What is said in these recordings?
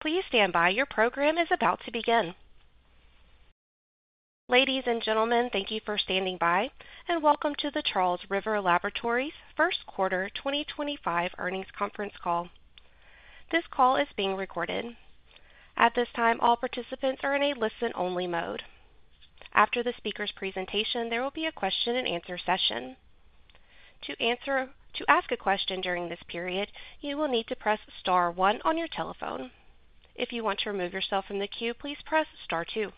Please stand by, your program is about to begin. Ladies and gentlemen, thank you for standing by, and welcome to the Charles River Laboratories' first quarter 2025 earnings conference call. This call is being recorded. At this time, all participants are in a listen-only mode. After the speaker's presentation, there will be a question-and-answer session. To ask a question during this period, you will need to press Star one on your telephone. If you want to remove yourself from the queue, please press Star two.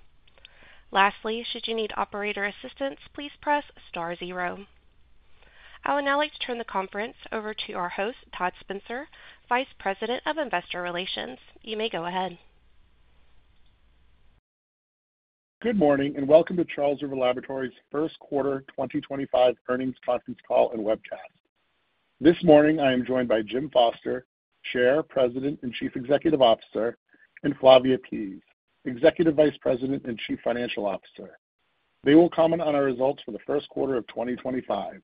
Lastly, should you need operator assistance, please press Star zero. I would now like to turn the conference over to our host, Todd Spencer, Vice President of Investor Relations. You may go ahead. Good morning and welcome to Charles River Laboratories' first quarter 2025 earnings conference call and webcast. This morning, I am joined by Jim Foster, Chair, President, and Chief Executive Officer, and Flavia Pease, Executive Vice President and Chief Financial Officer. They will comment on our results for the first quarter of 2025.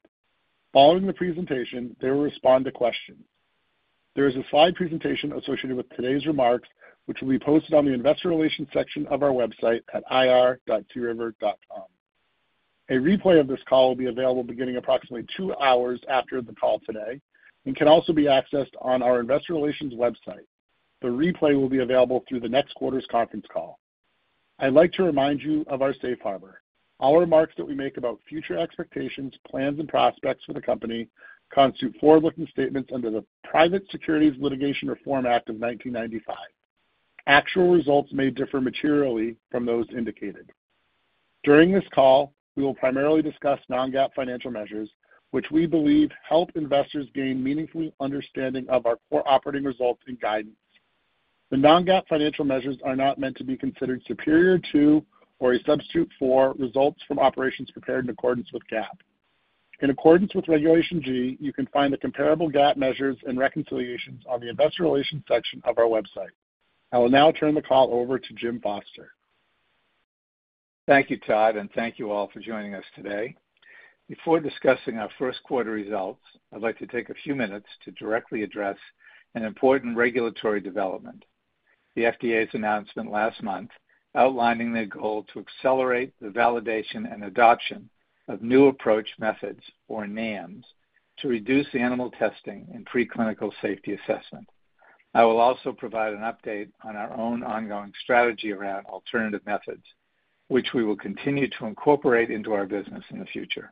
Following the presentation, they will respond to questions. There is a slide presentation associated with today's remarks, which will be posted on the Investor Relations section of our website at ir.criver.com. A replay of this call will be available beginning approximately two hours after the call today and can also be accessed on our Investor Relations website. The replay will be available through the next quarter's conference call. I'd like to remind you of our safe harbor. All remarks that we make about future expectations, plans, and prospects for the company constitute forward-looking statements under the Private Securities Litigation Reform Act of 1995. Actual results may differ materially from those indicated. During this call, we will primarily discuss non-GAAP financial measures, which we believe help investors gain a meaningful understanding of our core operating results and guidance. The non-GAAP financial measures are not meant to be considered superior to or a substitute for results from operations prepared in accordance with GAAP. In accordance with Regulation G, you can find the comparable GAAP measures and reconciliations on the Investor Relations section of our website. I will now turn the call over to Jim Foster. Thank you, Todd, and thank you all for joining us today. Before discussing our first quarter results, I'd like to take a few minutes to directly address an important regulatory development: the FDA's announcement last month outlining the goal to accelerate the validation and adoption of new approach methods, or NAMs, to reduce animal testing and preclinical safety assessment. I will also provide an update on our own ongoing strategy around alternative methods, which we will continue to incorporate into our business in the future.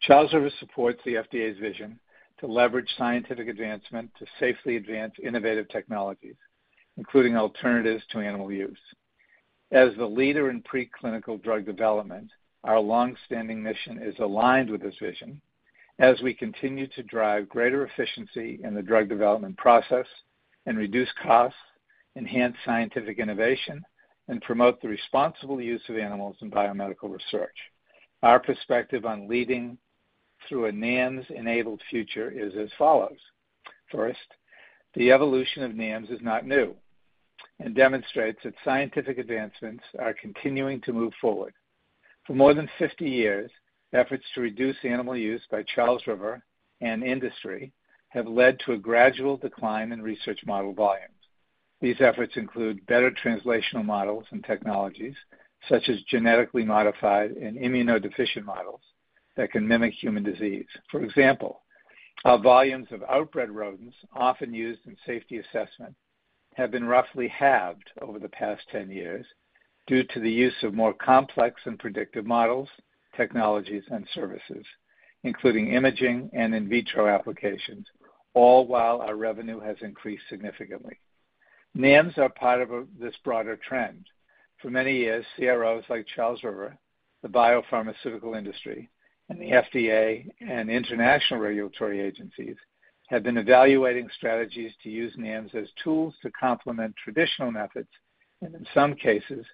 Charles River supports the FDA's vision to leverage scientific advancement to safely advance innovative technologies, including alternatives to animal use. As the leader in preclinical drug development, our longstanding mission is aligned with this vision as we continue to drive greater efficiency in the drug development process and reduce costs, enhance scientific innovation, and promote the responsible use of animals in biomedical research. Our perspective on leading through a NAMs-enabled future is as follows. First, the evolution of NAMs is not new and demonstrates that scientific advancements are continuing to move forward. For more than 50 years, efforts to reduce animal use by Charles River and industry have led to a gradual decline in research model volumes. These efforts include better translational models and technologies such as genetically modified and immunodeficient models that can mimic human disease. For example, our volumes of outbred rodents, often used in safety assessment, have been roughly halved over the past 10 years due to the use of more complex and predictive models, technologies, and services, including imaging and in vitro applications, all while our revenue has increased significantly. NAMs are part of this broader trend. For many years, CROs like Charles River, the biopharmaceutical industry, and the FDA and international regulatory agencies have been evaluating strategies to use NAMs as tools to complement traditional methods and, in some cases,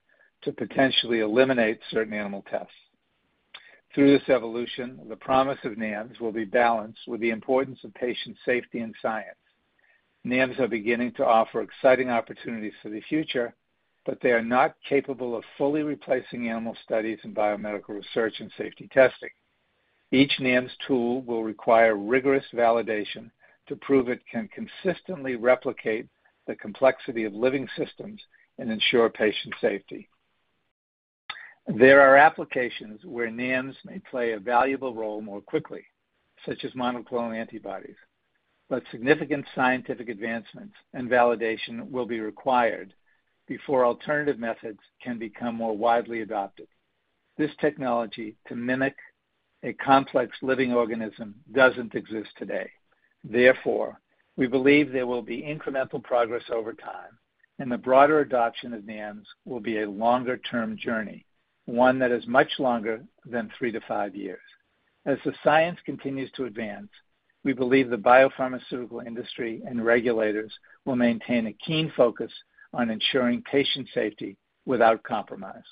to potentially eliminate certain animal tests. Through this evolution, the promise of NAMs will be balanced with the importance of patient safety and science. NAMs are beginning to offer exciting opportunities for the future, but they are not capable of fully replacing animal studies and biomedical research and safety testing. Each NAMs tool will require rigorous validation to prove it can consistently replicate the complexity of living systems and ensure patient safety. There are applications where NAMs may play a valuable role more quickly, such as monoclonal antibodies, but significant scientific advancements and validation will be required before alternative methods can become more widely adopted. This technology to mimic a complex living organism does not exist today. Therefore, we believe there will be incremental progress over time, and the broader adoption of NAMs will be a longer-term journey, one that is much longer than three to five years. As the science continues to advance, we believe the biopharmaceutical industry and regulators will maintain a keen focus on ensuring patient safety without compromise.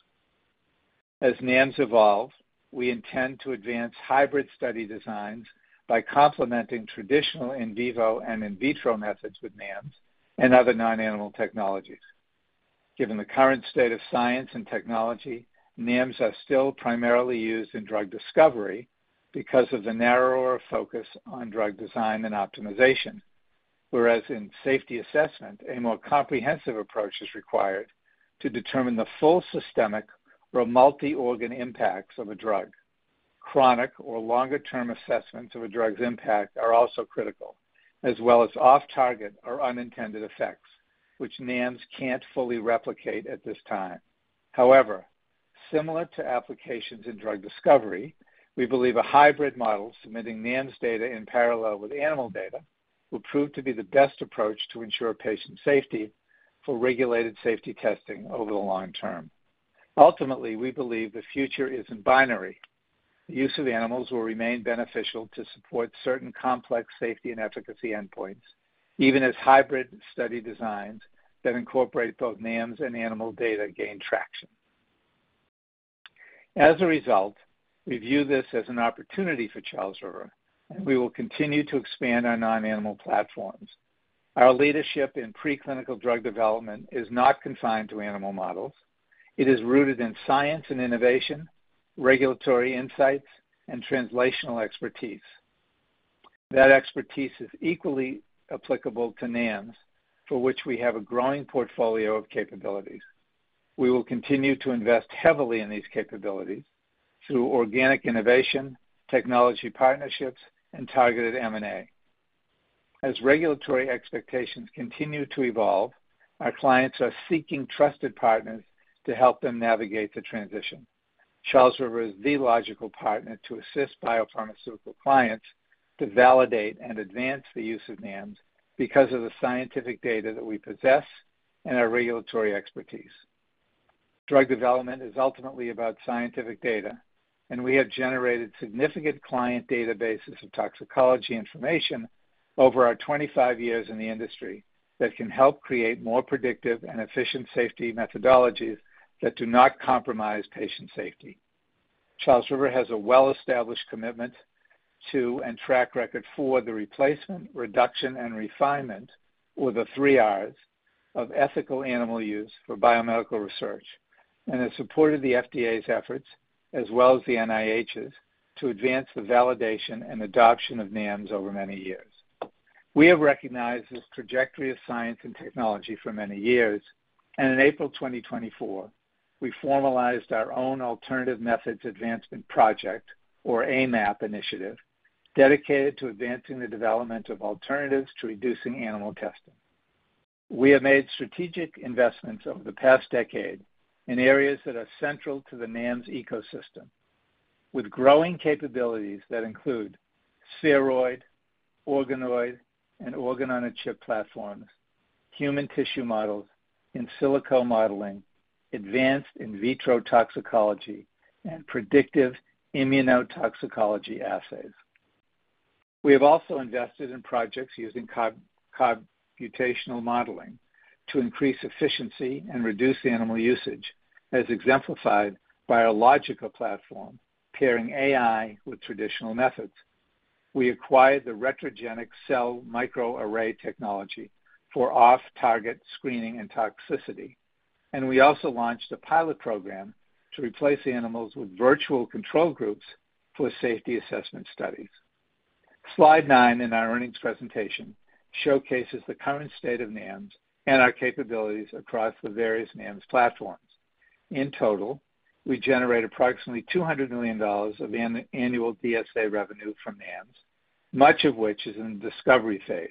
As NAMs evolve, we intend to advance hybrid study designs by complementing traditional in vivo and in vitro methods with NAMs and other non-animal technologies. Given the current state of science and technology, NAMs are still primarily used in drug discovery because of the narrower focus on drug design and optimization, whereas in safety assessment, a more comprehensive approach is required to determine the full systemic or multi-organ impacts of a drug. Chronic or longer-term assessments of a drug's impact are also critical, as well as off-target or unintended effects, which NAMs can't fully replicate at this time. However, similar to applications in drug discovery, we believe a hybrid model submitting NAMs data in parallel with animal data will prove to be the best approach to ensure patient safety for regulated safety testing over the long term. Ultimately, we believe the future isn't binary. The use of animals will remain beneficial to support certain complex safety and efficacy endpoints, even as hybrid study designs that incorporate both NAMs and animal data gain traction. As a result, we view this as an opportunity for Charles River, and we will continue to expand our non-animal platforms. Our leadership in preclinical drug development is not confined to animal models. It is rooted in science and innovation, regulatory insights, and translational expertise. That expertise is equally applicable to NAMs, for which we have a growing portfolio of capabilities. We will continue to invest heavily in these capabilities through organic innovation, technology partnerships, and targeted M&A. As regulatory expectations continue to evolve, our clients are seeking trusted partners to help them navigate the transition. Charles River is the logical partner to assist biopharmaceutical clients to validate and advance the use of NAMs because of the scientific data that we possess and our regulatory expertise. Drug development is ultimately about scientific data, and we have generated significant client databases of toxicology information over our 25 years in the industry that can help create more predictive and efficient safety methodologies that do not compromise patient safety. Charles River has a well-established commitment to and track record for the replacement, reduction, and refinement, or the three Rs, of ethical animal use for biomedical research and has supported the FDA's efforts, as well as the NIH's, to advance the validation and adoption of NAMs over many years. We have recognized this trajectory of science and technology for many years, and in April 2024, we formalized our own alternative methods advancement project, or AMAP initiative, dedicated to advancing the development of alternatives to reducing animal testing. We have made strategic investments over the past decade in areas that are central to the NAMs ecosystem, with growing capabilities that include spheroid, organoid, and organ-on-a-chip platforms, human tissue models, in silico modeling, advanced in vitro toxicology, and predictive immunotoxicology assays. We have also invested in projects using computational modeling to increase efficiency and reduce animal usage, as exemplified by our logical platform pairing AI with traditional methods. We acquired the Retrogenic Cell Microarray technology for off-target screening and toxicity, and we also launched a pilot program to replace animals with virtual control groups for safety assessment studies. Slide 9 in our earnings presentation showcases the current state of NAMs and our capabilities across the various NAMs platforms. In total, we generate approximately $200 million of annual DSA revenue from NAMs, much of which is in the discovery phase.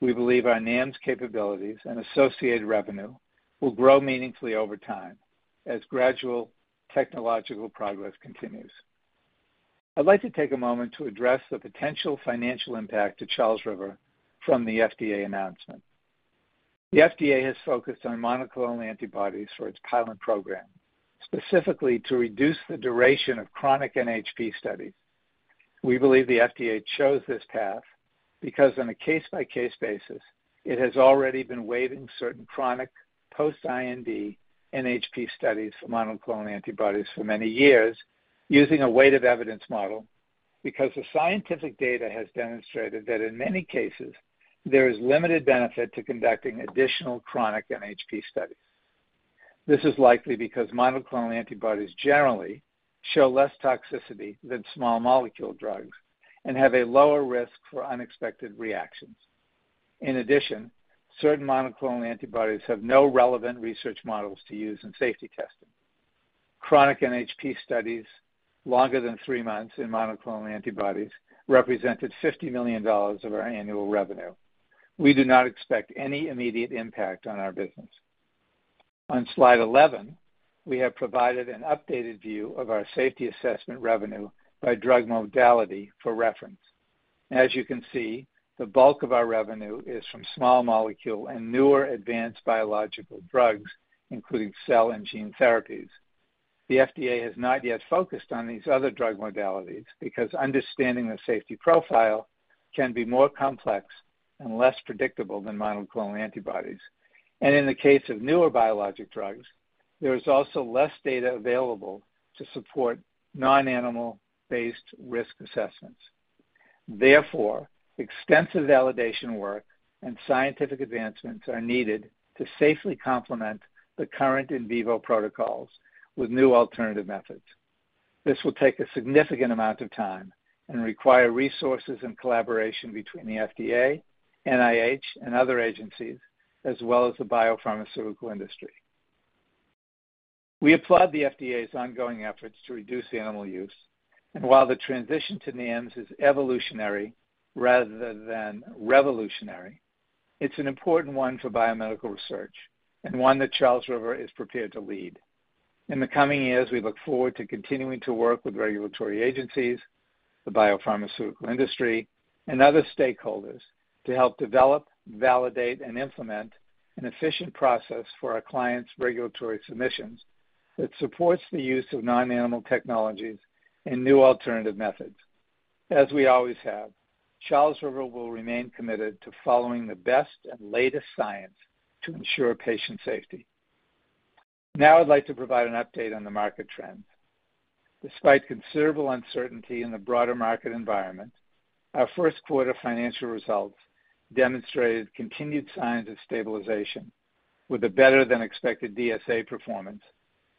We believe our NAMs capabilities and associated revenue will grow meaningfully over time as gradual technological progress continues. I'd like to take a moment to address the potential financial impact to Charles River from the FDA announcement. The FDA has focused on monoclonal antibodies for its pilot program, specifically to reduce the duration of chronic NHP studies. We believe the FDA chose this path because, on a case-by-case basis, it has already been waiving certain chronic post-IND NHP studies for monoclonal antibodies for many years using a weighted evidence model because the scientific data has demonstrated that in many cases, there is limited benefit to conducting additional chronic NHP studies. This is likely because monoclonal antibodies generally show less toxicity than small molecule drugs and have a lower risk for unexpected reactions. In addition, certain monoclonal antibodies have no relevant research models to use in safety testing. Chronic NHP studies, longer than three months in monoclonal antibodies, represented $50 million of our annual revenue. We do not expect any immediate impact on our business. On slide 11, we have provided an updated view of our safety assessment revenue by drug modality for reference. As you can see, the bulk of our revenue is from small molecule and newer advanced biological drugs, including cell and gene therapies. The FDA has not yet focused on these other drug modalities because understanding the safety profile can be more complex and less predictable than monoclonal antibodies. In the case of newer biologic drugs, there is also less data available to support non-animal-based risk assessments. Therefore, extensive validation work and scientific advancements are needed to safely complement the current in vivo protocols with new alternative methods. This will take a significant amount of time and require resources and collaboration between the FDA, NIH, and other agencies, as well as the biopharmaceutical industry. We applaud the FDA's ongoing efforts to reduce animal use, and while the transition to NAMs is evolutionary rather than revolutionary, it's an important one for biomedical research and one that Charles River is prepared to lead. In the coming years, we look forward to continuing to work with regulatory agencies, the biopharmaceutical industry, and other stakeholders to help develop, validate, and implement an efficient process for our clients' regulatory submissions that supports the use of non-animal technologies and new alternative methods. As we always have, Charles River will remain committed to following the best and latest science to ensure patient safety. Now, I'd like to provide an update on the market trends. Despite considerable uncertainty in the broader market environment, our first quarter financial results demonstrated continued signs of stabilization with a better-than-expected DSA performance,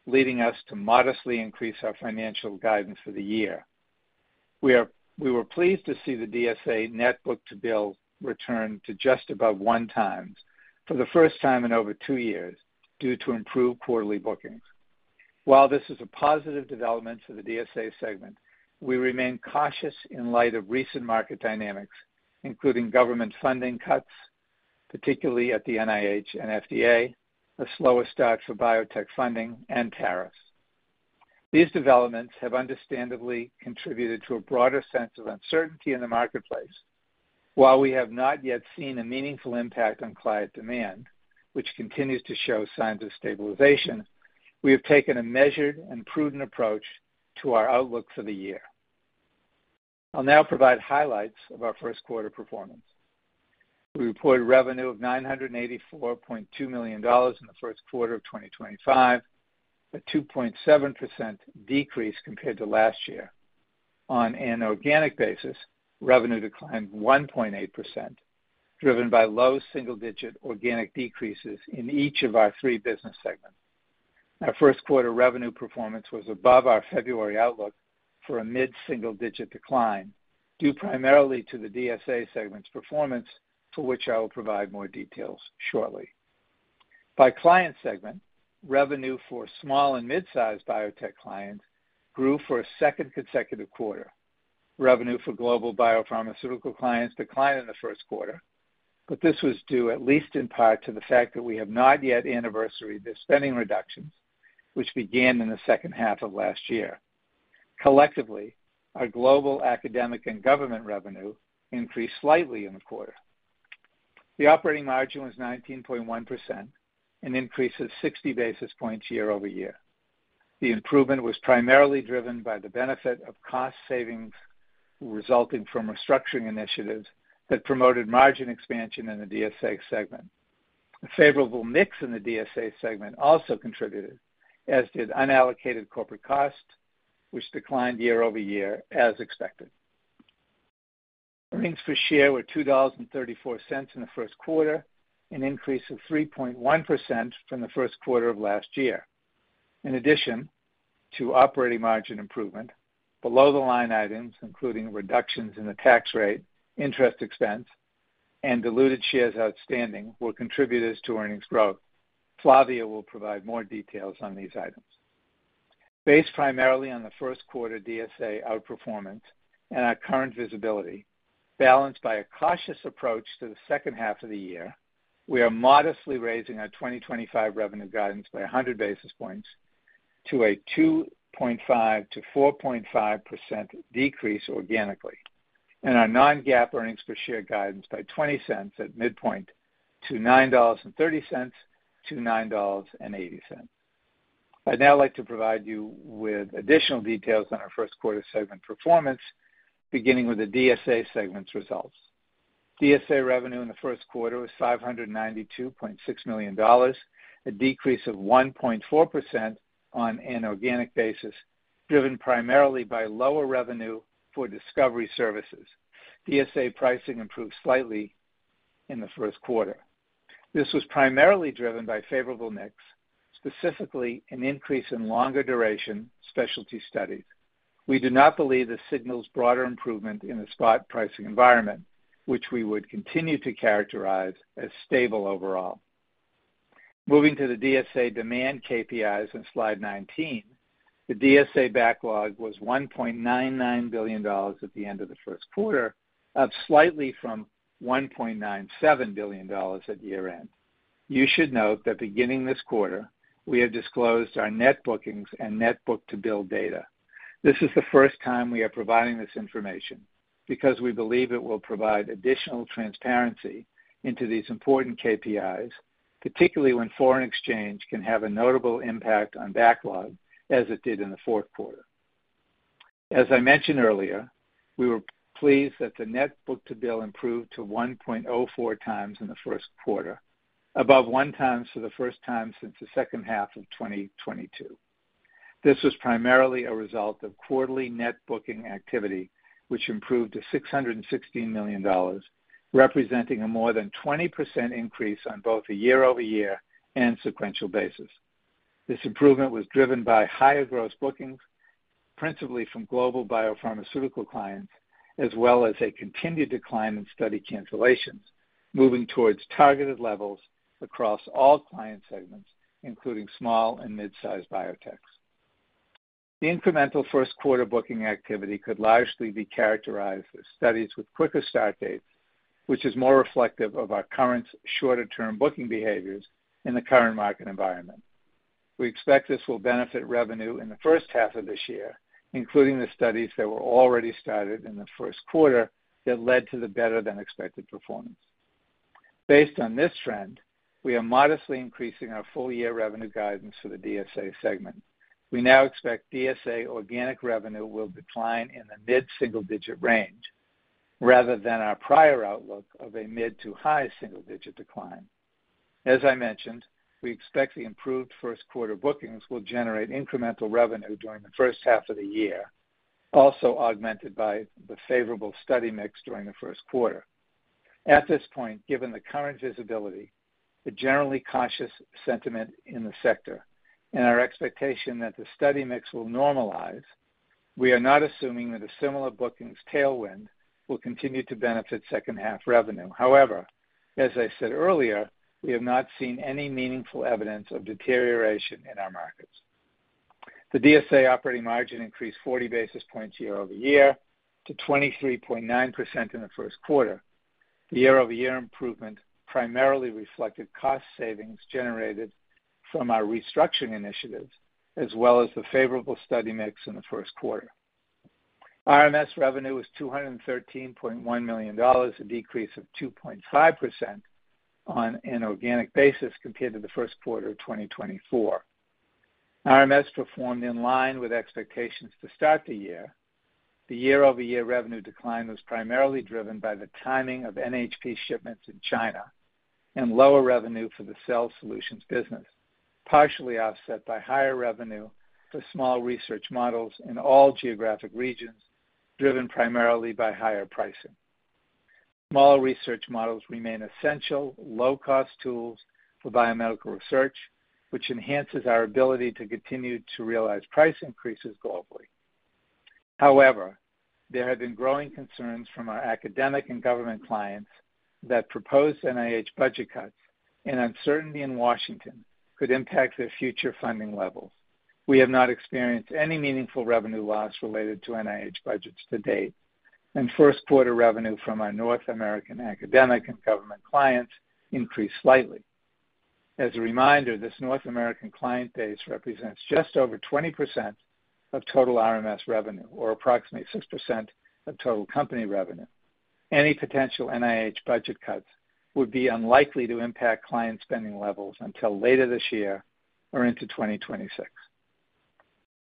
leading us to modestly increase our financial guidance for the year. We were pleased to see the DSA net book-to-bill return to just above one times for the first time in over two years due to improved quarterly bookings. While this is a positive development for the DSA segment, we remain cautious in light of recent market dynamics, including government funding cuts, particularly at the NIH and FDA, the slower stocks for biotech funding, and tariffs. These developments have understandably contributed to a broader sense of uncertainty in the marketplace. While we have not yet seen a meaningful impact on client demand, which continues to show signs of stabilization, we have taken a measured and prudent approach to our outlook for the year. I'll now provide highlights of our first quarter performance. We reported revenue of $984.2 million in the first quarter of 2025, a 2.7% decrease compared to last year. On an organic basis, revenue declined 1.8%, driven by low single-digit organic decreases in each of our three business segments. Our first quarter revenue performance was above our February outlook for a mid-single-digit decline due primarily to the DSA segment's performance, for which I will provide more details shortly. By client segment, revenue for small and mid-sized biotech clients grew for a second consecutive quarter. Revenue for global biopharmaceutical clients declined in the first quarter, but this was due at least in part to the fact that we have not yet anniversaried the spending reductions, which began in the second half of last year. Collectively, our global academic and government revenue increased slightly in the quarter. The operating margin was 19.1%, an increase of 60 basis points year over year. The improvement was primarily driven by the benefit of cost savings resulting from restructuring initiatives that promoted margin expansion in the DSA segment. A favorable mix in the DSA segment also contributed, as did unallocated corporate cost, which declined year over year, as expected. Earnings per share were $2.34 in the first quarter, an increase of 3.1% from the first quarter of last year. In addition to operating margin improvement, below-the-line items, including reductions in the tax rate, interest expense, and diluted shares outstanding, were contributors to earnings growth. Flavia will provide more details on these items. Based primarily on the first quarter DSA outperformance and our current visibility, balanced by a cautious approach to the second half of the year, we are modestly raising our 2025 revenue guidance by 100 basis points to a 2.5%-4.5% decrease organically, and our non-GAAP earnings per share guidance by $0.20 at midpoint to $9.30-$9.80. I'd now like to provide you with additional details on our first quarter segment performance, beginning with the DSA segment's results. DSA revenue in the first quarter was $592.6 million, a decrease of 1.4% on an organic basis, driven primarily by lower revenue for discovery services. DSA pricing improved slightly in the first quarter. This was primarily driven by favorable mix, specifically an increase in longer-duration specialty studies. We do not believe this signals broader improvement in the spot pricing environment, which we would continue to characterize as stable overall. Moving to the DSA demand KPIs on slide 19, the DSA backlog was $1.99 billion at the end of the first quarter, up slightly from $1.97 billion at year-end. You should note that beginning this quarter, we have disclosed our net bookings and net book-to-bill data. This is the first time we are providing this information because we believe it will provide additional transparency into these important KPIs, particularly when foreign exchange can have a notable impact on backlog, as it did in the fourth quarter. As I mentioned earlier, we were pleased that the net book-to-bill improved to 1.04 times in the first quarter, above one times for the first time since the second half of 2022. This was primarily a result of quarterly net booking activity, which improved to $616 million, representing a more than 20% increase on both a year-over-year and sequential basis. This improvement was driven by higher gross bookings, principally from global biopharmaceutical clients, as well as a continued decline in study cancellations, moving towards targeted levels across all client segments, including small and mid-sized biotechs. The incremental first quarter booking activity could largely be characterized as studies with quicker start dates, which is more reflective of our current shorter-term booking behaviors in the current market environment. We expect this will benefit revenue in the first half of this year, including the studies that were already started in the first quarter that led to the better-than-expected performance. Based on this trend, we are modestly increasing our full-year revenue guidance for the DSA segment. We now expect DSA organic revenue will decline in the mid-single-digit range rather than our prior outlook of a mid to high single-digit decline. As I mentioned, we expect the improved first quarter bookings will generate incremental revenue during the first half of the year, also augmented by the favorable study mix during the first quarter. At this point, given the current visibility, the generally cautious sentiment in the sector, and our expectation that the study mix will normalize, we are not assuming that a similar booking's tailwind will continue to benefit second-half revenue. However, as I said earlier, we have not seen any meaningful evidence of deterioration in our markets. The DSA operating margin increased 40 basis points year over year to 23.9% in the first quarter. The year-over-year improvement primarily reflected cost savings generated from our restructuring initiatives, as well as the favorable study mix in the first quarter. RMS revenue was $213.1 million, a decrease of 2.5% on an organic basis compared to the first quarter of 2024. RMS performed in line with expectations to start the year. The year-over-year revenue decline was primarily driven by the timing of NHP shipments in China and lower revenue for the cell solutions business, partially offset by higher revenue for small research models in all geographic regions, driven primarily by higher pricing. Small research models remain essential low-cost tools for biomedical research, which enhances our ability to continue to realize price increases globally. However, there have been growing concerns from our academic and government clients that proposed NIH budget cuts and uncertainty in Washington could impact their future funding levels. We have not experienced any meaningful revenue loss related to NIH budgets to date, and first quarter revenue from our North American academic and government clients increased slightly. As a reminder, this North American client base represents just over 20% of total RMS revenue, or approximately 6% of total company revenue. Any potential NIH budget cuts would be unlikely to impact client spending levels until later this year or into 2026.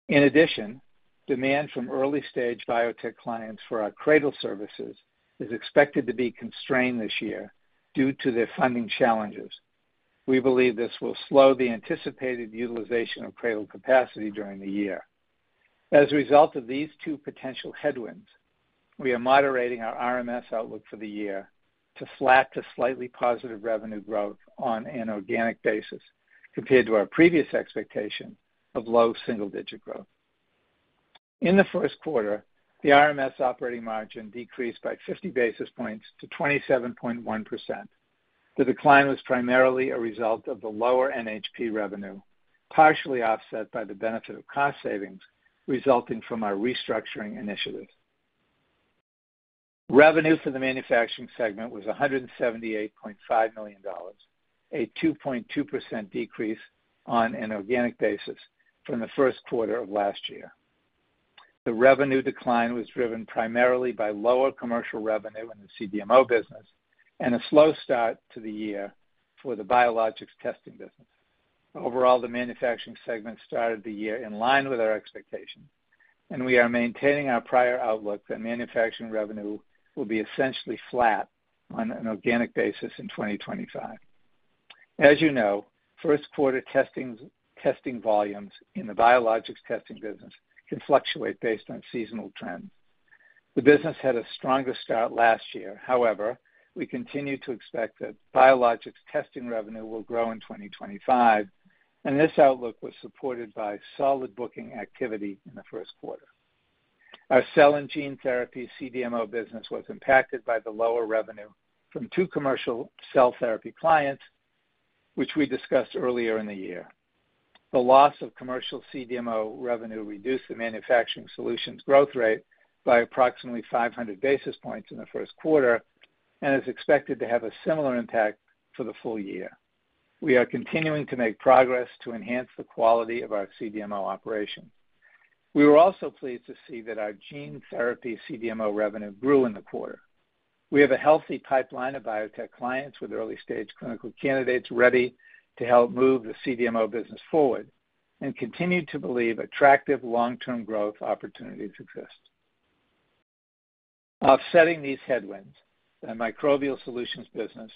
In addition, demand from early-stage biotech clients for our cradle services is expected to be constrained this year due to their funding challenges. We believe this will slow the anticipated utilization of cradle capacity during the year. As a result of these two potential headwinds, we are moderating our RMS outlook for the year to flat to slightly positive revenue growth on an organic basis compared to our previous expectation of low single-digit growth. In the first quarter, the RMS operating margin decreased by 50 basis points to 27.1%. The decline was primarily a result of the lower NHP revenue, partially offset by the benefit of cost savings resulting from our restructuring initiatives. Revenue for the manufacturing segment was $178.5 million, a 2.2% decrease on an organic basis from the first quarter of last year. The revenue decline was driven primarily by lower commercial revenue in the CDMO business and a slow start to the year for the biologics testing business. Overall, the manufacturing segment started the year in line with our expectations, and we are maintaining our prior outlook that manufacturing revenue will be essentially flat on an organic basis in 2025. As you know, first quarter testing volumes in the biologics testing business can fluctuate based on seasonal trends. The business had a stronger start last year. However, we continue to expect that biologics testing revenue will grow in 2025, and this outlook was supported by solid booking activity in the first quarter. Our cell and gene therapy CDMO business was impacted by the lower revenue from two commercial cell therapy clients, which we discussed earlier in the year. The loss of commercial CDMO revenue reduced the manufacturing solutions growth rate by approximately 500 basis points in the first quarter and is expected to have a similar impact for the full year. We are continuing to make progress to enhance the quality of our CDMO operation. We were also pleased to see that our gene therapy CDMO revenue grew in the quarter. We have a healthy pipeline of biotech clients with early-stage clinical candidates ready to help move the CDMO business forward and continue to believe attractive long-term growth opportunities exist. Offsetting these headwinds, the microbial solutions business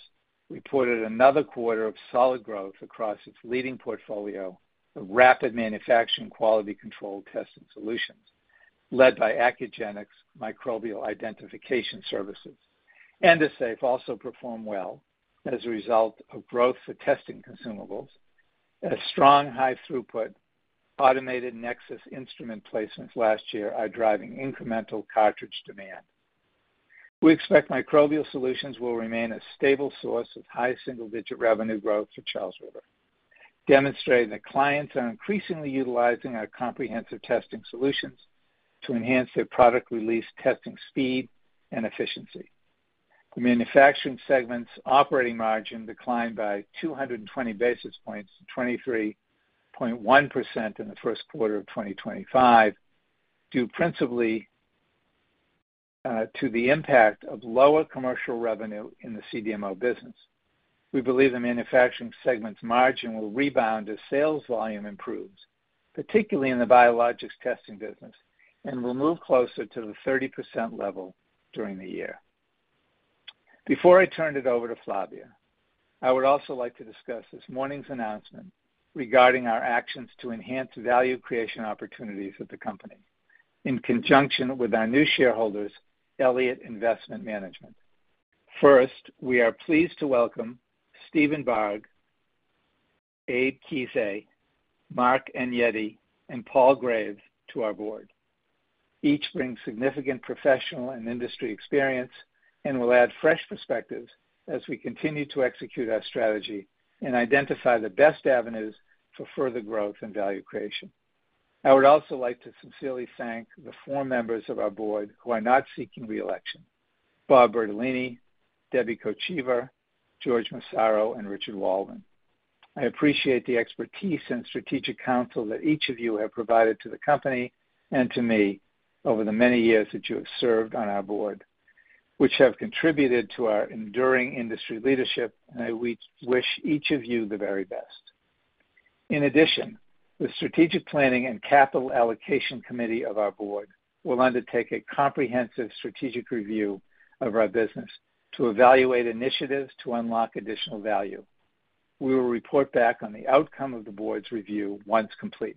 reported another quarter of solid growth across its leading portfolio of rapid manufacturing quality control testing solutions led by Accugenix® microbial identification services. Endosafe also performed well as a result of growth for testing consumables, as strong high-throughput automated Nexus instrument placements last year are driving incremental cartridge demand. We expect microbial solutions will remain a stable source of high single-digit revenue growth for Charles River, demonstrating that clients are increasingly utilizing our comprehensive testing solutions to enhance their product release testing speed and efficiency. The manufacturing segment's operating margin declined by 220 basis points to 23.1% in the first quarter of 2025 due principally to the impact of lower commercial revenue in the CDMO business. We believe the manufacturing segment's margin will rebound as sales volume improves, particularly in the biologics testing business, and will move closer to the 30% level during the year. Before I turn it over to Flavia, I would also like to discuss this morning's announcement regarding our actions to enhance value creation opportunities at the company in conjunction with our new shareholders, Elliott Investment Management. First, we are pleased to welcome Steven Barg, Abe Keese, Mark Agneti, and Paul Graves to our board. Each brings significant professional and industry experience and will add fresh perspectives as we continue to execute our strategy and identify the best avenues for further growth and value creation. I would also like to sincerely thank the four members of our board who are not seeking reelection: Bob Bertolini, Debbie DiSanzo, George Massaro, and Richard Waldman. I appreciate the expertise and strategic counsel that each of you have provided to the company and to me over the many years that you have served on our board, which have contributed to our enduring industry leadership, and I wish each of you the very best. In addition, the Strategic Planning and Capital Allocation Committee of our board will undertake a comprehensive strategic review of our business to evaluate initiatives to unlock additional value. We will report back on the outcome of the board's review once complete.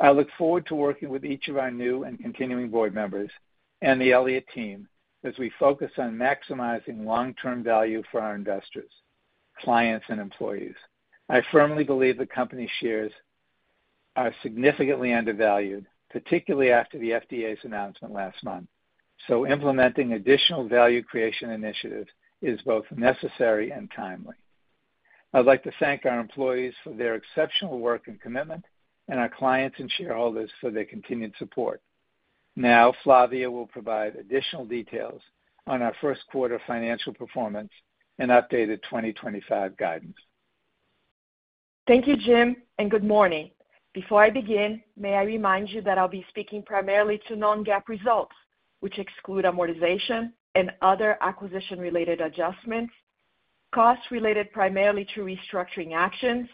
I look forward to working with each of our new and continuing board members and the Elliott team as we focus on maximizing long-term value for our investors, clients, and employees. I firmly believe the company's shares are significantly undervalued, particularly after the FDA's announcement last month, so implementing additional value creation initiatives is both necessary and timely. I'd like to thank our employees for their exceptional work and commitment and our clients and shareholders for their continued support. Now, Flavia will provide additional details on our first quarter financial performance and updated 2025 guidance. Thank you, Jim, and good morning. Before I begin, may I remind you that I'll be speaking primarily to non-GAAP results, which exclude amortization and other acquisition-related adjustments, costs related primarily to restructuring actions,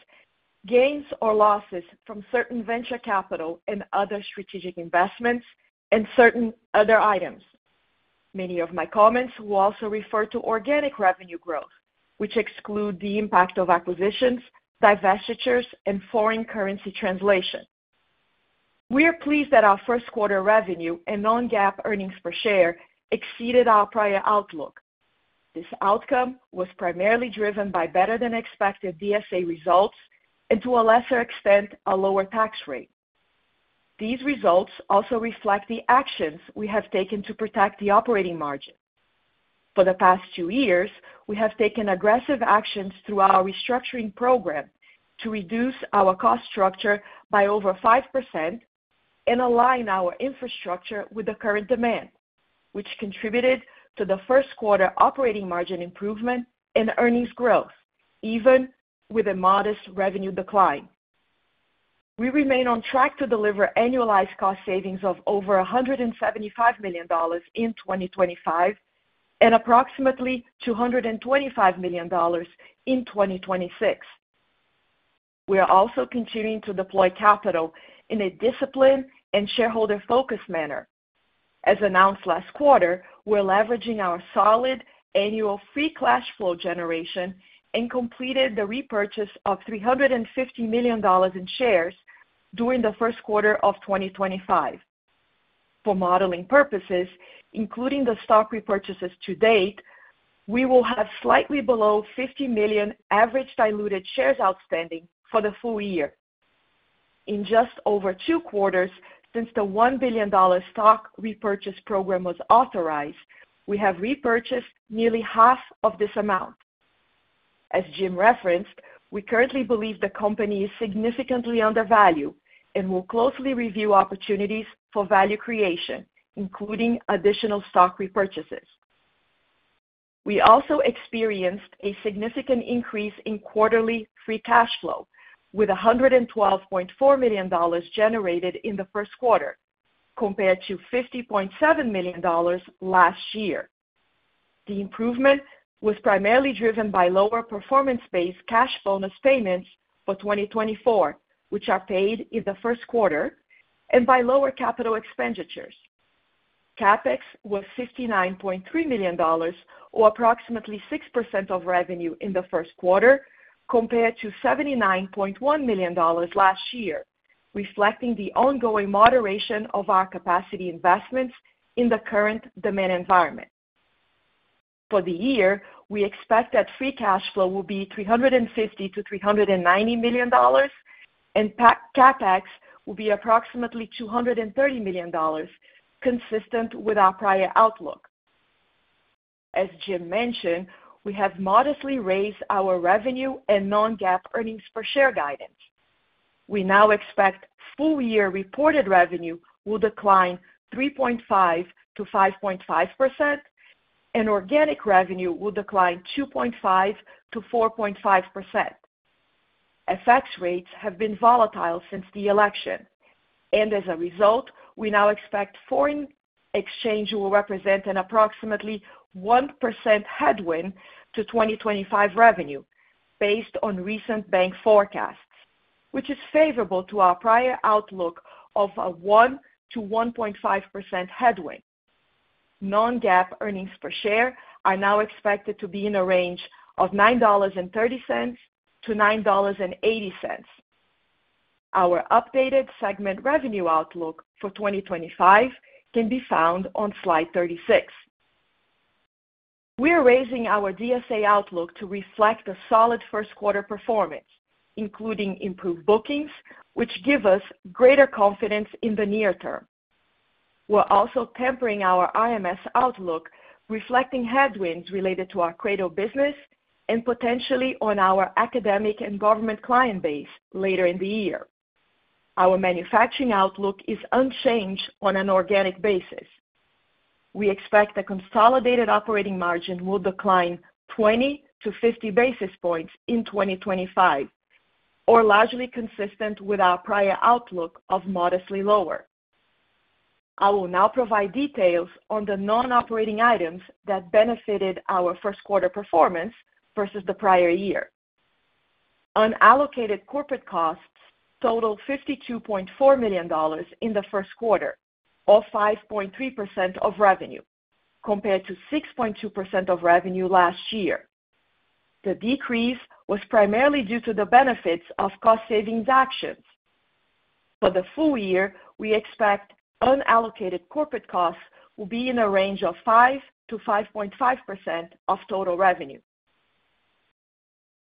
gains or losses from certain venture capital and other strategic investments, and certain other items. Many of my comments will also refer to organic revenue growth, which excludes the impact of acquisitions, divestitures, and foreign currency translation. We are pleased that our first quarter revenue and non-GAAP earnings per share exceeded our prior outlook. This outcome was primarily driven by better-than-expected DSA results and, to a lesser extent, a lower tax rate. These results also reflect the actions we have taken to protect the operating margin. For the past two years, we have taken aggressive actions through our restructuring program to reduce our cost structure by over 5% and align our infrastructure with the current demand, which contributed to the first quarter operating margin improvement and earnings growth, even with a modest revenue decline. We remain on track to deliver annualized cost savings of over $175 million in 2025 and approximately $225 million in 2026. We are also continuing to deploy capital in a disciplined and shareholder-focused manner. As announced last quarter, we're leveraging our solid annual free cash flow generation and completed the repurchase of $350 million in shares during the first quarter of 2025. For modeling purposes, including the stock repurchases to date, we will have slightly below 50 million average diluted shares outstanding for the full year. In just over two quarters since the $1 billion stock repurchase program was authorized, we have repurchased nearly half of this amount. As Jim referenced, we currently believe the company is significantly undervalued and will closely review opportunities for value creation, including additional stock repurchases. We also experienced a significant increase in quarterly free cash flow, with $112.4 million generated in the first quarter, compared to $50.7 million last year. The improvement was primarily driven by lower performance-based cash bonus payments for 2024, which are paid in the first quarter, and by lower capital expenditures. CapEx was $59.3 million, or approximately 6% of revenue in the first quarter, compared to $79.1 million last year, reflecting the ongoing moderation of our capacity investments in the current demand environment. For the year, we expect that free cash flow will be $350-$390 million, and CapEx will be approximately $230 million, consistent with our prior outlook. As Jim mentioned, we have modestly raised our revenue and non-GAAP earnings per share guidance. We now expect full-year reported revenue will decline 3.5%-5.5%, and organic revenue will decline 2.5%-4.5%. FX rates have been volatile since the election, and as a result, we now expect foreign exchange will represent an approximately 1% headwind to 2025 revenue based on recent bank forecasts, which is favorable to our prior outlook of a 1%-1.5% headwind. Non-GAAP earnings per share are now expected to be in a range of $9.30-$9.80. Our updated segment revenue outlook for 2025 can be found on slide 36. We are raising our DSA outlook to reflect a solid first quarter performance, including improved bookings, which give us greater confidence in the near term. We're also tempering our IMS outlook, reflecting headwinds related to our cradle business and potentially on our academic and government client base later in the year. Our manufacturing outlook is unchanged on an organic basis. We expect a consolidated operating margin will decline 20-50 basis points in 2025, or largely consistent with our prior outlook of modestly lower. I will now provide details on the non-operating items that benefited our first quarter performance versus the prior year. Unallocated corporate costs totaled $52.4 million in the first quarter, or 5.3% of revenue, compared to 6.2% of revenue last year. The decrease was primarily due to the benefits of cost savings actions. For the full year, we expect unallocated corporate costs will be in a range of 5-5.5% of total revenue.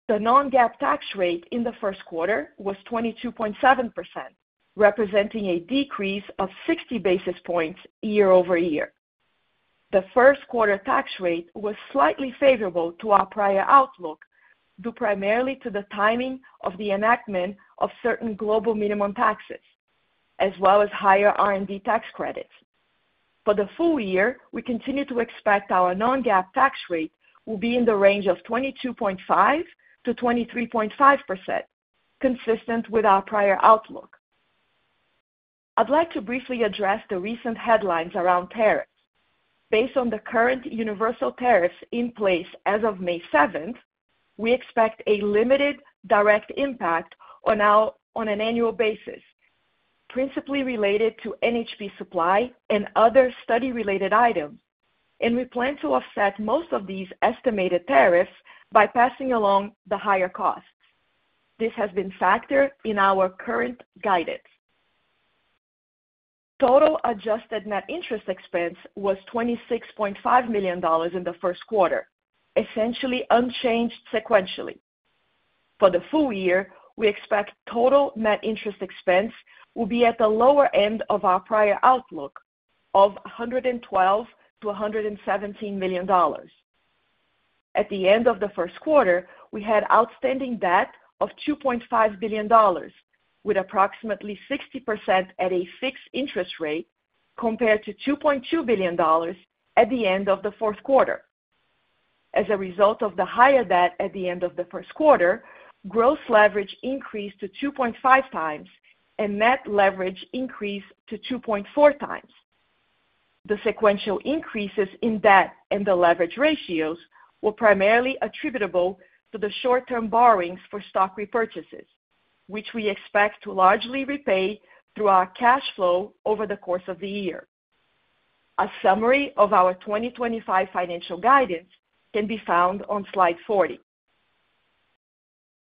The non-GAAP tax rate in the first quarter was 22.7%, representing a decrease of 60 basis points year over year. The first quarter tax rate was slightly favorable to our prior outlook due primarily to the timing of the enactment of certain global minimum taxes, as well as higher R&D tax credits. For the full year, we continue to expect our non-GAAP tax rate will be in the range of 22.5-23.5%, consistent with our prior outlook. I'd like to briefly address the recent headlines around tariffs. Based on the current universal tariffs in place as of May 7, we expect a limited direct impact on an annual basis, principally related to NHP supply and other study-related items, and we plan to offset most of these estimated tariffs by passing along the higher costs. This has been factored in our current guidance. Total adjusted net interest expense was $26.5 million in the first quarter, essentially unchanged sequentially. For the full year, we expect total net interest expense will be at the lower end of our prior outlook of $112-$117 million. At the end of the first quarter, we had outstanding debt of $2.5 billion, with approximately 60% at a fixed interest rate, compared to $2.2 billion at the end of the fourth quarter. As a result of the higher debt at the end of the first quarter, gross leverage increased to 2.5 times and net leverage increased to 2.4 times. The sequential increases in debt and the leverage ratios were primarily attributable to the short-term borrowings for stock repurchases, which we expect to largely repay through our cash flow over the course of the year. A summary of our 2025 financial guidance can be found on slide 40.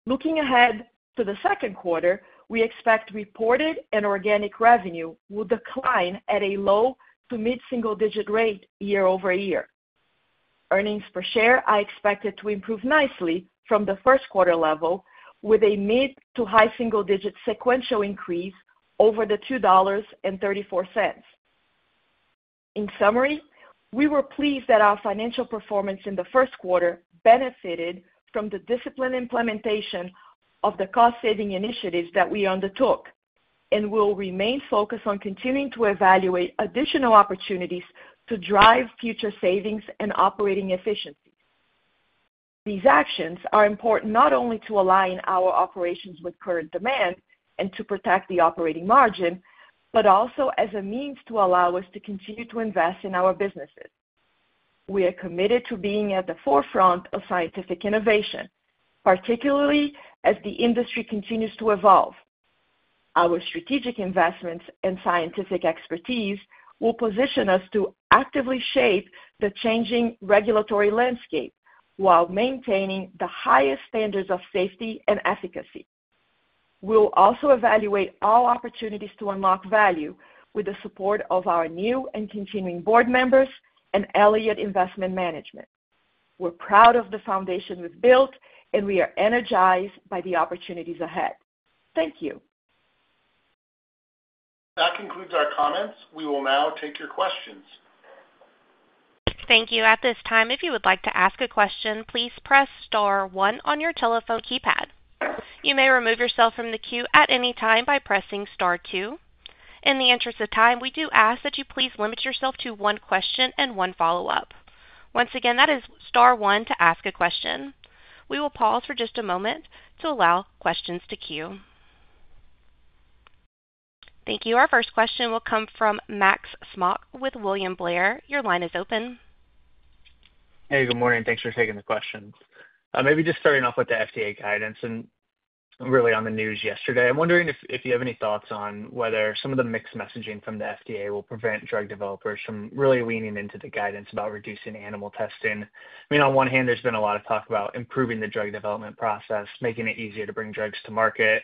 Looking ahead to the second quarter, we expect reported and organic revenue will decline at a low to mid-single-digit rate year over year. Earnings per share are expected to improve nicely from the first quarter level, with a mid to high single-digit sequential increase over the $2.34. In summary, we were pleased that our financial performance in the first quarter benefited from the disciplined implementation of the cost-saving initiatives that we undertook and will remain focused on continuing to evaluate additional opportunities to drive future savings and operating efficiencies. These actions are important not only to align our operations with current demand and to protect the operating margin, but also as a means to allow us to continue to invest in our businesses. We are committed to being at the forefront of scientific innovation, particularly as the industry continues to evolve. Our strategic investments and scientific expertise will position us to actively shape the changing regulatory landscape while maintaining the highest standards of safety and efficacy. We'll also evaluate all opportunities to unlock value with the support of our new and continuing board members and Elliott Investment Management. We're proud of the foundation we've built, and we are energized by the opportunities ahead. Thank you. That concludes our comments. We will now take your questions. Thank you. At this time, if you would like to ask a question, please press Star one on your telephone keypad. You may remove yourself from the queue at any time by pressing Star two. In the interest of time, we do ask that you please limit yourself to one question and one follow-up. Once again, that is Star one to ask a question. We will pause for just a moment to allow questions to queue. Thank you. Our first question will come from Max Smock with William Blair. Your line is open. Hey, good morning. Thanks for taking the question. Maybe just starting off with the FDA guidance and really on the news yesterday. I'm wondering if you have any thoughts on whether some of the mixed messaging from the FDA will prevent drug developers from really leaning into the guidance about reducing animal testing. I mean, on one hand, there's been a lot of talk about improving the drug development process, making it easier to bring drugs to market.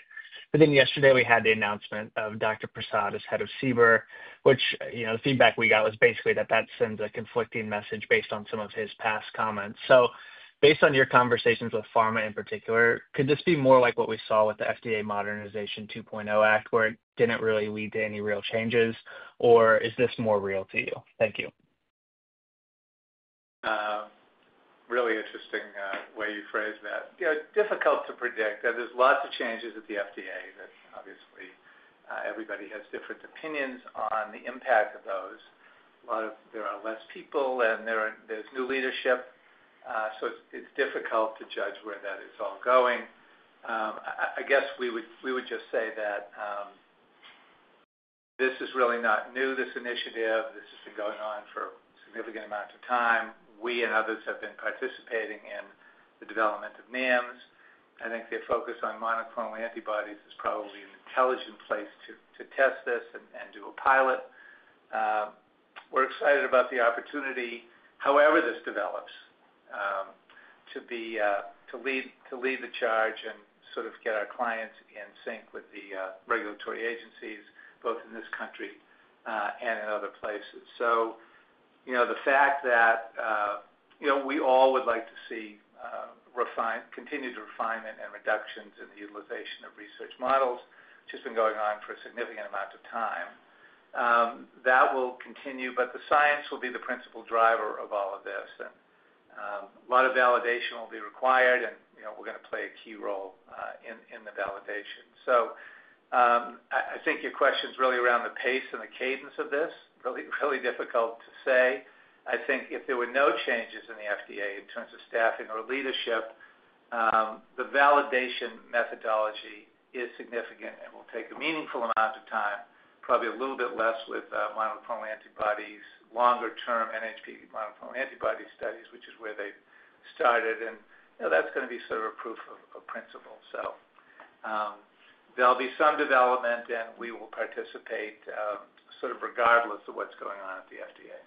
Yesterday, we had the announcement of Dr. Prasad as head of CBER, which the feedback we got was basically that that sends a conflicting message based on some of his past comments. Based on your conversations with pharma in particular, could this be more like what we saw with the FDA Modernization 2.0 Act, where it didn't really lead to any real changes, or is this more real to you? Thank you. Really interesting way you phrased that. Difficult to predict. There's lots of changes at the FDA that obviously everybody has different opinions on the impact of those. There are less people, and there's new leadership. It's difficult to judge where that is all going. I guess we would just say that this is really not new, this initiative. This has been going on for a significant amount of time. We and others have been participating in the development of NAMs. I think the focus on monoclonal antibodies is probably an intelligent place to test this and do a pilot. We're excited about the opportunity, however this develops, to lead the charge and sort of get our clients in sync with the regulatory agencies, both in this country and in other places. The fact that we all would like to see continued refinement and reductions in the utilization of research models, which has been going on for a significant amount of time, that will continue, but the science will be the principal driver of all of this. A lot of validation will be required, and we're going to play a key role in the validation. I think your question's really around the pace and the cadence of this. Really difficult to say. I think if there were no changes in the FDA in terms of staffing or leadership, the validation methodology is significant and will take a meaningful amount of time, probably a little bit less with monoclonal antibodies, longer-term NHP monoclonal antibody studies, which is where they started. That's going to be sort of a proof of principle. There'll be some development, and we will participate sort of regardless of what's going on at the FDA.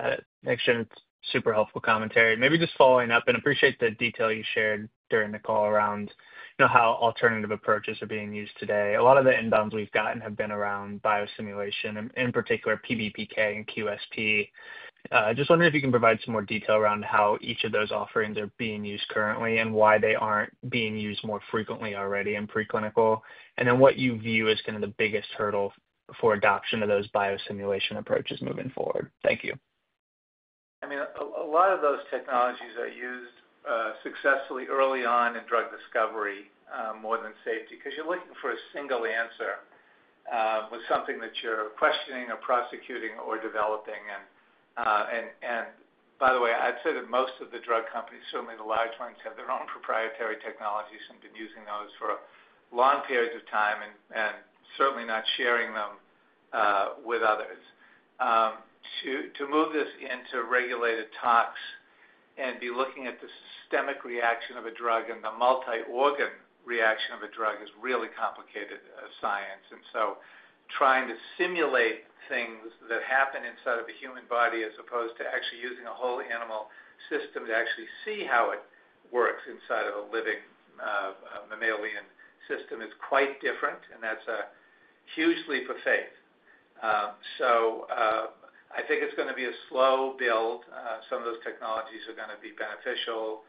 Got it. Thanks, Jim. It's super helpful commentary. Maybe just following up, and appreciate the detail you shared during the call around how alternative approaches are being used today. A lot of the inbounds we've gotten have been around biosimulation, in particular PBPK and QSP. Just wondering if you can provide some more detail around how each of those offerings are being used currently and why they aren't being used more frequently already in preclinical, and then what you view as kind of the biggest hurdle for adoption of those biosimulation approaches moving forward. Thank you. I mean, a lot of those technologies are used successfully early on in drug discovery more than safety because you're looking for a single answer with something that you're questioning or prosecuting or developing. By the way, I'd say that most of the drug companies, certainly the large ones, have their own proprietary technologies and have been using those for long periods of time and certainly not sharing them with others. To move this into regulated talks and be looking at the systemic reaction of a drug and the multi-organ reaction of a drug is really complicated science. Trying to simulate things that happen inside of a human body as opposed to actually using a whole animal system to actually see how it works inside of a living mammalian system is quite different, and that's a huge leap of faith. I think it's going to be a slow build. Some of those technologies are going to be beneficial.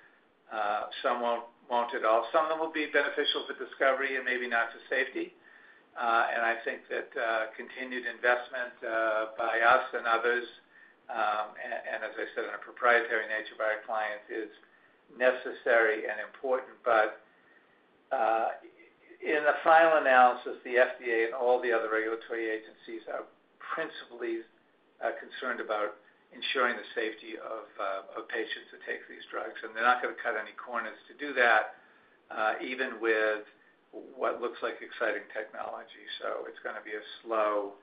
Some won't at all. Some of them will be beneficial for discovery and maybe not for safety. I think that continued investment by us and others, and as I said, in a proprietary nature by our clients, is necessary and important. In the final analysis, the FDA and all the other regulatory agencies are principally concerned about ensuring the safety of patients that take these drugs. They are not going to cut any corners to do that, even with what looks like exciting technology. It is going to be a slow,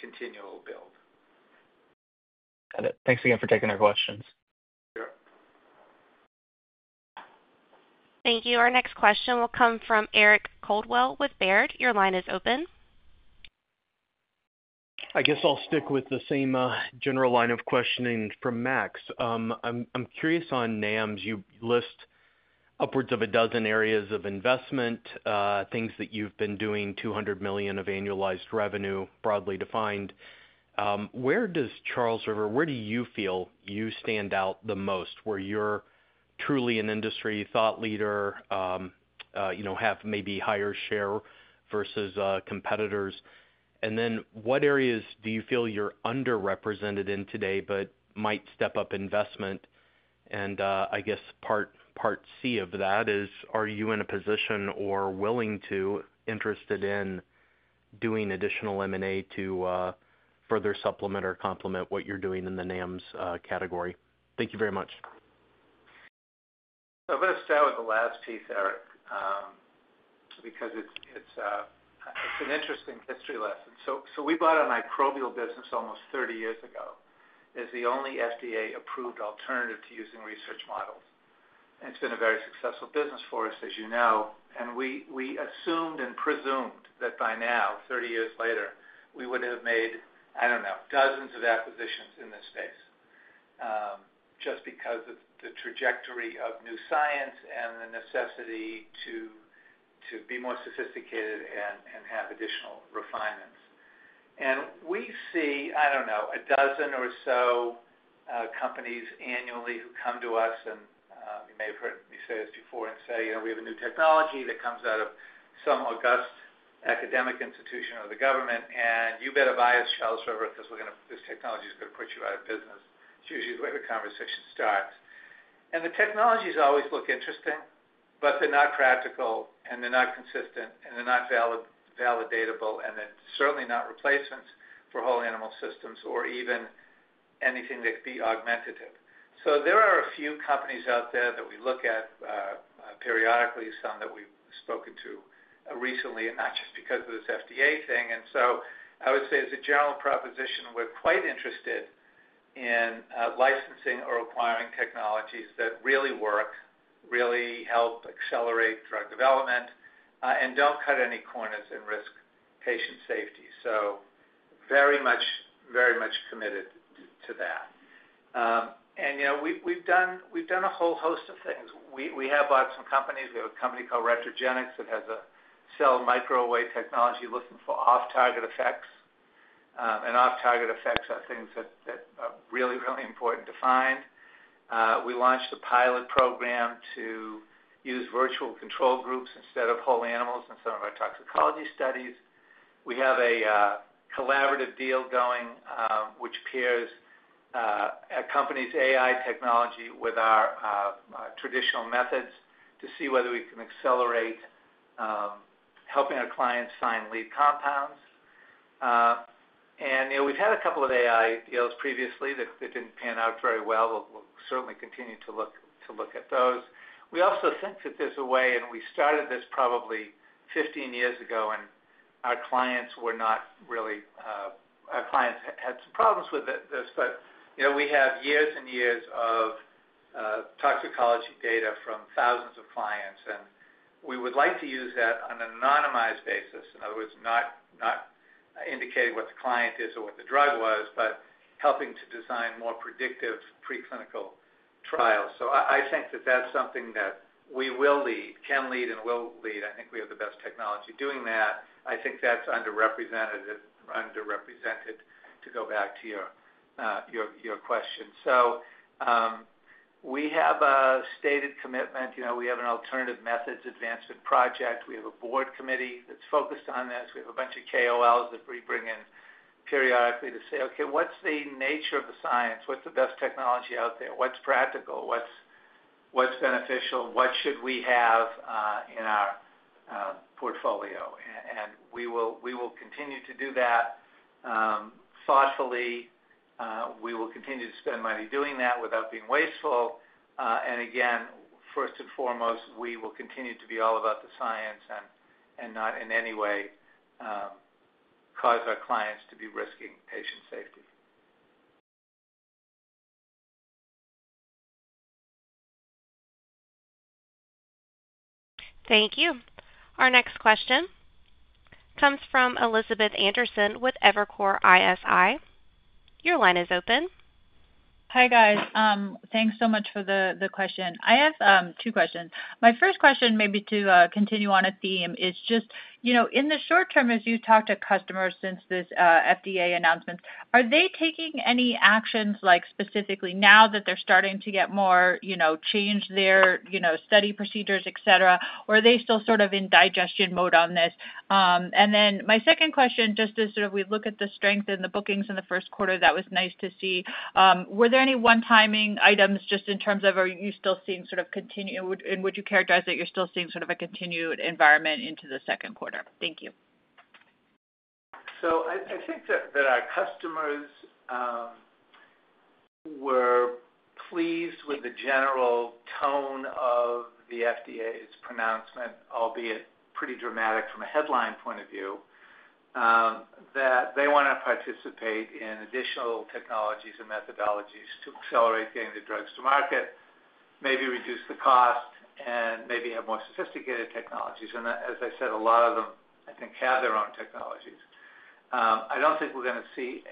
continual build. Got it. Thanks again for taking our questions. Sure. Thank you. Our next question will come from Eric Coldwell with Baird. Your line is open. I guess I will stick with the same general line of questioning from Max. I am curious on NAMs. You list upwards of a dozen areas of investment, things that you have been doing, $200 million of annualized revenue, broadly defined. Where does Charles River—where do you feel you stand out the most? Where you're truly an industry thought leader, have maybe higher share versus competitors? What areas do you feel you're underrepresented in today but might step up investment? I guess part C of that is, are you in a position or willing to, interested in doing additional M&A to further supplement or complement what you're doing in the NAMs category? Thank you very much. I'm going to start with the last piece, Eric, because it's an interesting history lesson. We bought a microbial business almost 30 years ago as the only FDA-approved alternative to using research models. It's been a very successful business for us, as you know. We assumed and presumed that by now, 30 years later, we would have made, I don't know, dozens of acquisitions in this space just because of the trajectory of new science and the necessity to be more sophisticated and have additional refinements. We see, I don't know, a dozen or so companies annually who come to us, and you may have heard me say this before, and say, "We have a new technology that comes out of some august academic institution or the government, and you better buy us, Charles River, because this technology is going to put you out of business." It's usually the way the conversation starts. The technologies always look interesting, but they're not practical, and they're not consistent, and they're not validatable, and they're certainly not replacements for whole animal systems or even anything that could be augmentative. There are a few companies out there that we look at periodically, some that we've spoken to recently, and not just because of this FDA thing. I would say, as a general proposition, we're quite interested in licensing or acquiring technologies that really work, really help accelerate drug development, and don't cut any corners and risk patient safety. Very much committed to that. We've done a whole host of things. We have bought some companies. We have a company called Retrogenic that has a cell microarray technology looking for off-target effects. Off-target effects are things that are really, really important to find. We launched a pilot program to use virtual control groups instead of whole animals in some of our toxicology studies. We have a collaborative deal going, which pairs a company's AI technology with our traditional methods to see whether we can accelerate helping our clients find lead compounds. We have had a couple of AI deals previously that did not pan out very well. We will certainly continue to look at those. We also think that there is a way, and we started this probably 15 years ago, and our clients were not really—our clients had some problems with this, but we have years and years of toxicology data from thousands of clients, and we would like to use that on an anonymized basis. In other words, not indicating what the client is or what the drug was, but helping to design more predictive preclinical trials. I think that is something that we will lead, can lead, and will lead. I think we have the best technology doing that. I think that's underrepresented to go back to your question. We have a stated commitment. We have an Alternative Methods Advancement Project. We have a board committee that's focused on this. We have a bunch of KOLs that we bring in periodically to say, "Okay, what's the nature of the science? What's the best technology out there? What's practical? What's beneficial? What should we have in our portfolio?" We will continue to do that thoughtfully. We will continue to spend money doing that without being wasteful. Again, first and foremost, we will continue to be all about the science and not in any way cause our clients to be risking patient safety. Thank you. Our next question comes from Elizabeth Anderson with Evercore ISI. Your line is open. Hi guys. Thanks so much for the question. I have two questions. My first question, maybe to continue on a theme, is just in the short term, as you talk to customers since this FDA announcement, are they taking any actions specifically now that they're starting to get more change their study procedures, etc., or are they still sort of in digestion mode on this? My second question, just as we look at the strength and the bookings in the first quarter, that was nice to see. Were there any one-timing items just in terms of are you still seeing sort of continue, and would you characterize that you're still seeing sort of a continued environment into the second quarter? Thank you. I think that our customers were pleased with the general tone of the FDA's pronouncement, albeit pretty dramatic from a headline point of view, that they want to participate in additional technologies and methodologies to accelerate getting the drugs to market, maybe reduce the cost, and maybe have more sophisticated technologies. As I said, a lot of them, I think, have their own technologies. I do not think we're going to see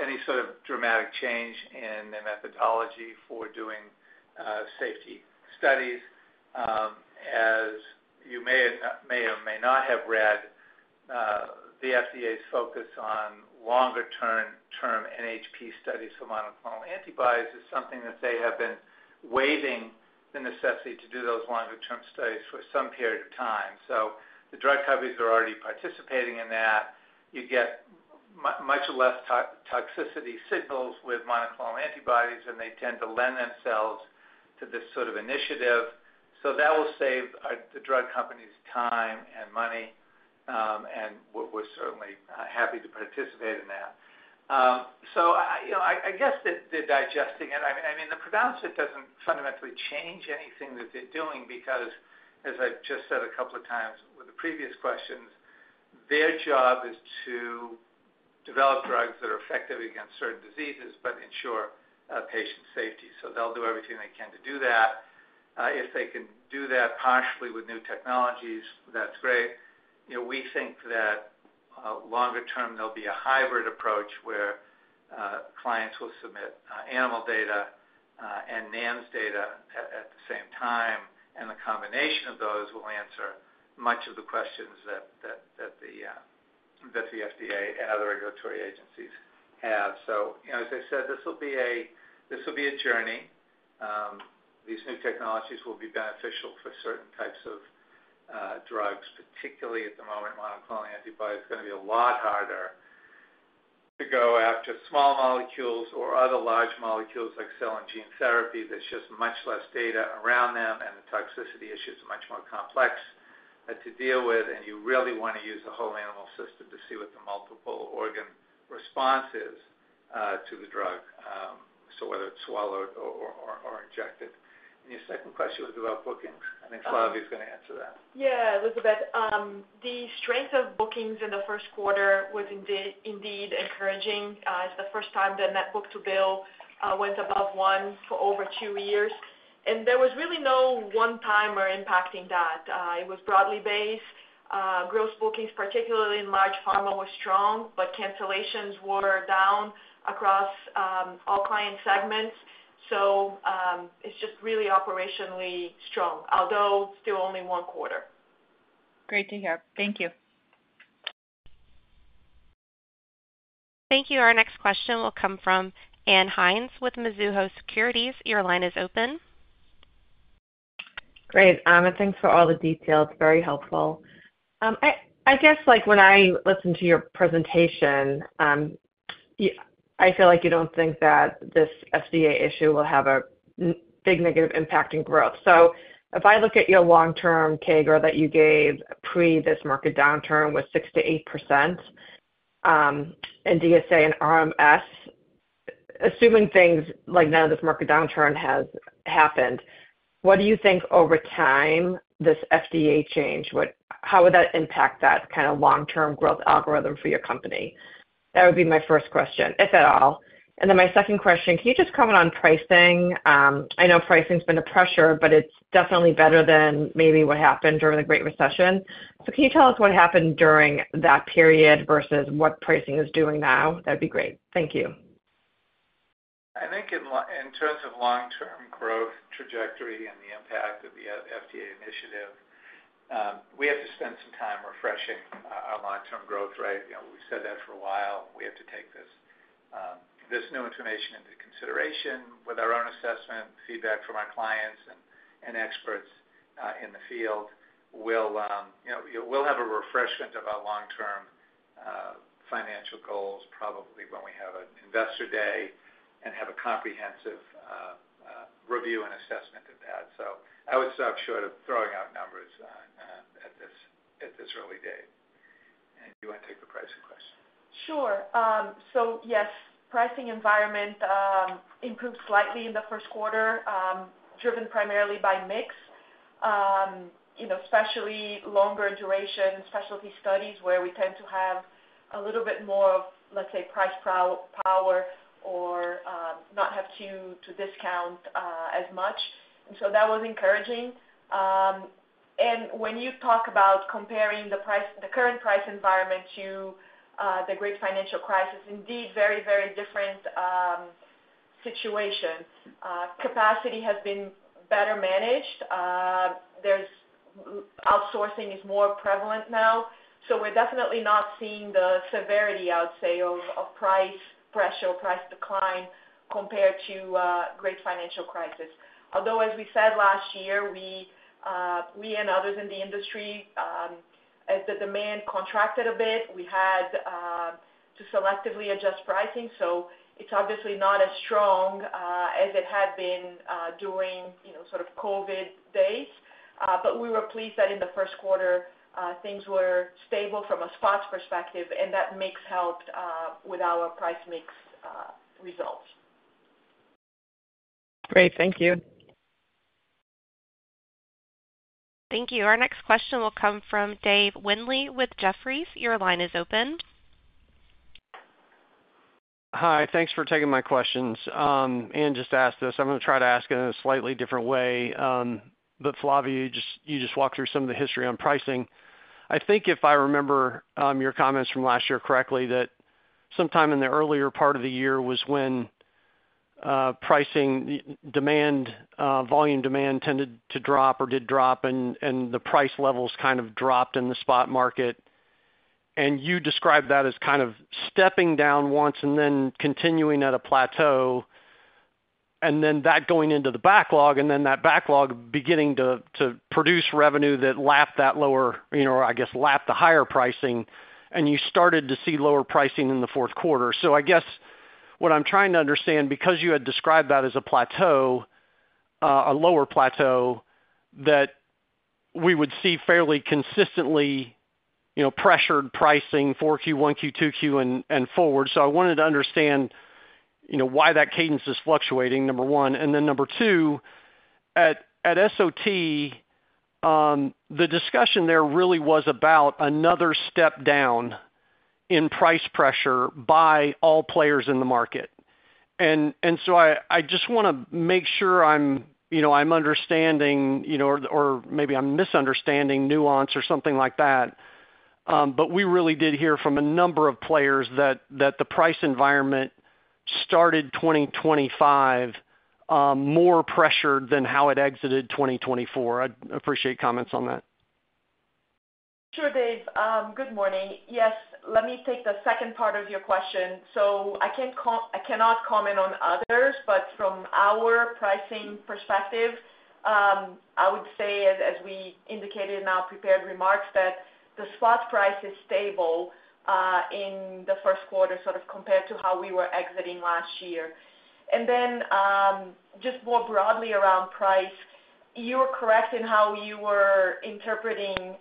any sort of dramatic change in the methodology for doing safety studies. As you may or may not have read, the FDA's focus on longer-term NHP studies for monoclonal antibodies is something that they have been waiving the necessity to do those longer-term studies for some period of time. The drug companies are already participating in that. You get much less toxicity signals with monoclonal antibodies, and they tend to lend themselves to this sort of initiative. That will save the drug companies time and money, and we're certainly happy to participate in that. I guess the digesting—I mean, the pronouncement doesn't fundamentally change anything that they're doing because, as I've just said a couple of times with the previous questions, their job is to develop drugs that are effective against certain diseases but ensure patient safety. They'll do everything they can to do that. If they can do that partially with new technologies, that's great. We think that longer term, there'll be a hybrid approach where clients will submit animal data and NAMs data at the same time, and the combination of those will answer much of the questions that the FDA and other regulatory agencies have. As I said, this will be a journey. These new technologies will be beneficial for certain types of drugs, particularly at the moment. Monoclonal antibody is going to be a lot harder to go after small molecules or other large molecules like cell and gene therapy. There is just much less data around them, and the toxicity issues are much more complex to deal with, and you really want to use a whole animal system to see what the multiple organ response is to the drug, whether it is swallowed or injected. Your second question was about bookings. I think Flavia is going to answer that. Yeah. Elizabeth, the strength of bookings in the first quarter was indeed encouraging. It is the first time the net book-to-bill went above one for over two years. There was really no one-timer impacting that. It was broadly based. Gross bookings, particularly in large pharma, were strong, but cancellations were down across all client segments. It is just really operationally strong, although still only one quarter. Great to hear. Thank you. Thank you. Our next question will come from Anne Hines with Mizuho Securities. Your line is open. Great. Thanks for all the details. Very helpful. I guess when I listened to your presentation, I feel like you do not think that this FDA issue will have a big negative impact in growth. If I look at your long-term CAGR that you gave pre this market downturn, it was 6-8% in DSA and RMS, assuming things like none of this market downturn has happened. What do you think over time this FDA change would—how would that impact that kind of long-term growth algorithm for your company? That would be my first question, if at all. My second question, can you just comment on pricing? I know pricing's been a pressure, but it's definitely better than maybe what happened during the Great Recession. Can you tell us what happened during that period versus what pricing is doing now? That would be great. Thank you. I think in terms of long-term growth trajectory and the impact of the FDA initiative, we have to spend some time refreshing our long-term growth, right? We've said that for a while. We have to take this new information into consideration with our own assessment, feedback from our clients and experts in the field. We'll have a refreshment of our long-term financial goals probably when we have an investor day and have a comprehensive review and assessment of that. I would stop short of throwing out numbers at this early day. You want to take the pricing question? Sure. Yes, pricing environment improved slightly in the first quarter, driven primarily by mix, especially longer duration specialty studies where we tend to have a little bit more of, let's say, price power or not have to discount as much. That was encouraging. When you talk about comparing the current price environment to the Great Financial Crisis, indeed, very, very different situation. Capacity has been better managed. Outsourcing is more prevalent now. We are definitely not seeing the severity, I would say, of price pressure, price decline compared to Great Financial Crisis. Although, as we said last year, we and others in the industry, as the demand contracted a bit, we had to selectively adjust pricing. It is obviously not as strong as it had been during sort of COVID days. We were pleased that in the first quarter, things were stable from a spot's perspective, and that mix helped with our price mix results. Great. Thank you. Thank you. Our next question will come from Dave Windley with Jefferies. Your line is open. Hi. Thanks for taking my questions. Anne just asked this. I'm going to try to ask it in a slightly different way. Flavia, you just walked through some of the history on pricing. I think if I remember your comments from last year correctly, that sometime in the earlier part of the year was when pricing volume demand tended to drop or did drop, and the price levels kind of dropped in the spot market. You described that as kind of stepping down once and then continuing at a plateau, and then that going into the backlog, and then that backlog beginning to produce revenue that lapped that lower, or I guess lapped the higher pricing, and you started to see lower pricing in the fourth quarter. I guess what I'm trying to understand, because you had described that as a plateau, a lower plateau, that we would see fairly consistently pressured pricing for Q1, Q2, Q1, and forward. I wanted to understand why that cadence is fluctuating, number one. Number two, at SOT, the discussion there really was about another step down in price pressure by all players in the market. I just want to make sure I'm understanding, or maybe I'm misunderstanding nuance or something like that. We really did hear from a number of players that the price environment started 2025 more pressured than how it exited 2024. I appreciate comments on that. Sure, Dave. Good morning. Yes. Let me take the second part of your question. I cannot comment on others, but from our pricing perspective, I would say, as we indicated in our prepared remarks, that the spot price is stable in the first quarter sort of compared to how we were exiting last year. Just more broadly around price, you were correct in how you were interpreting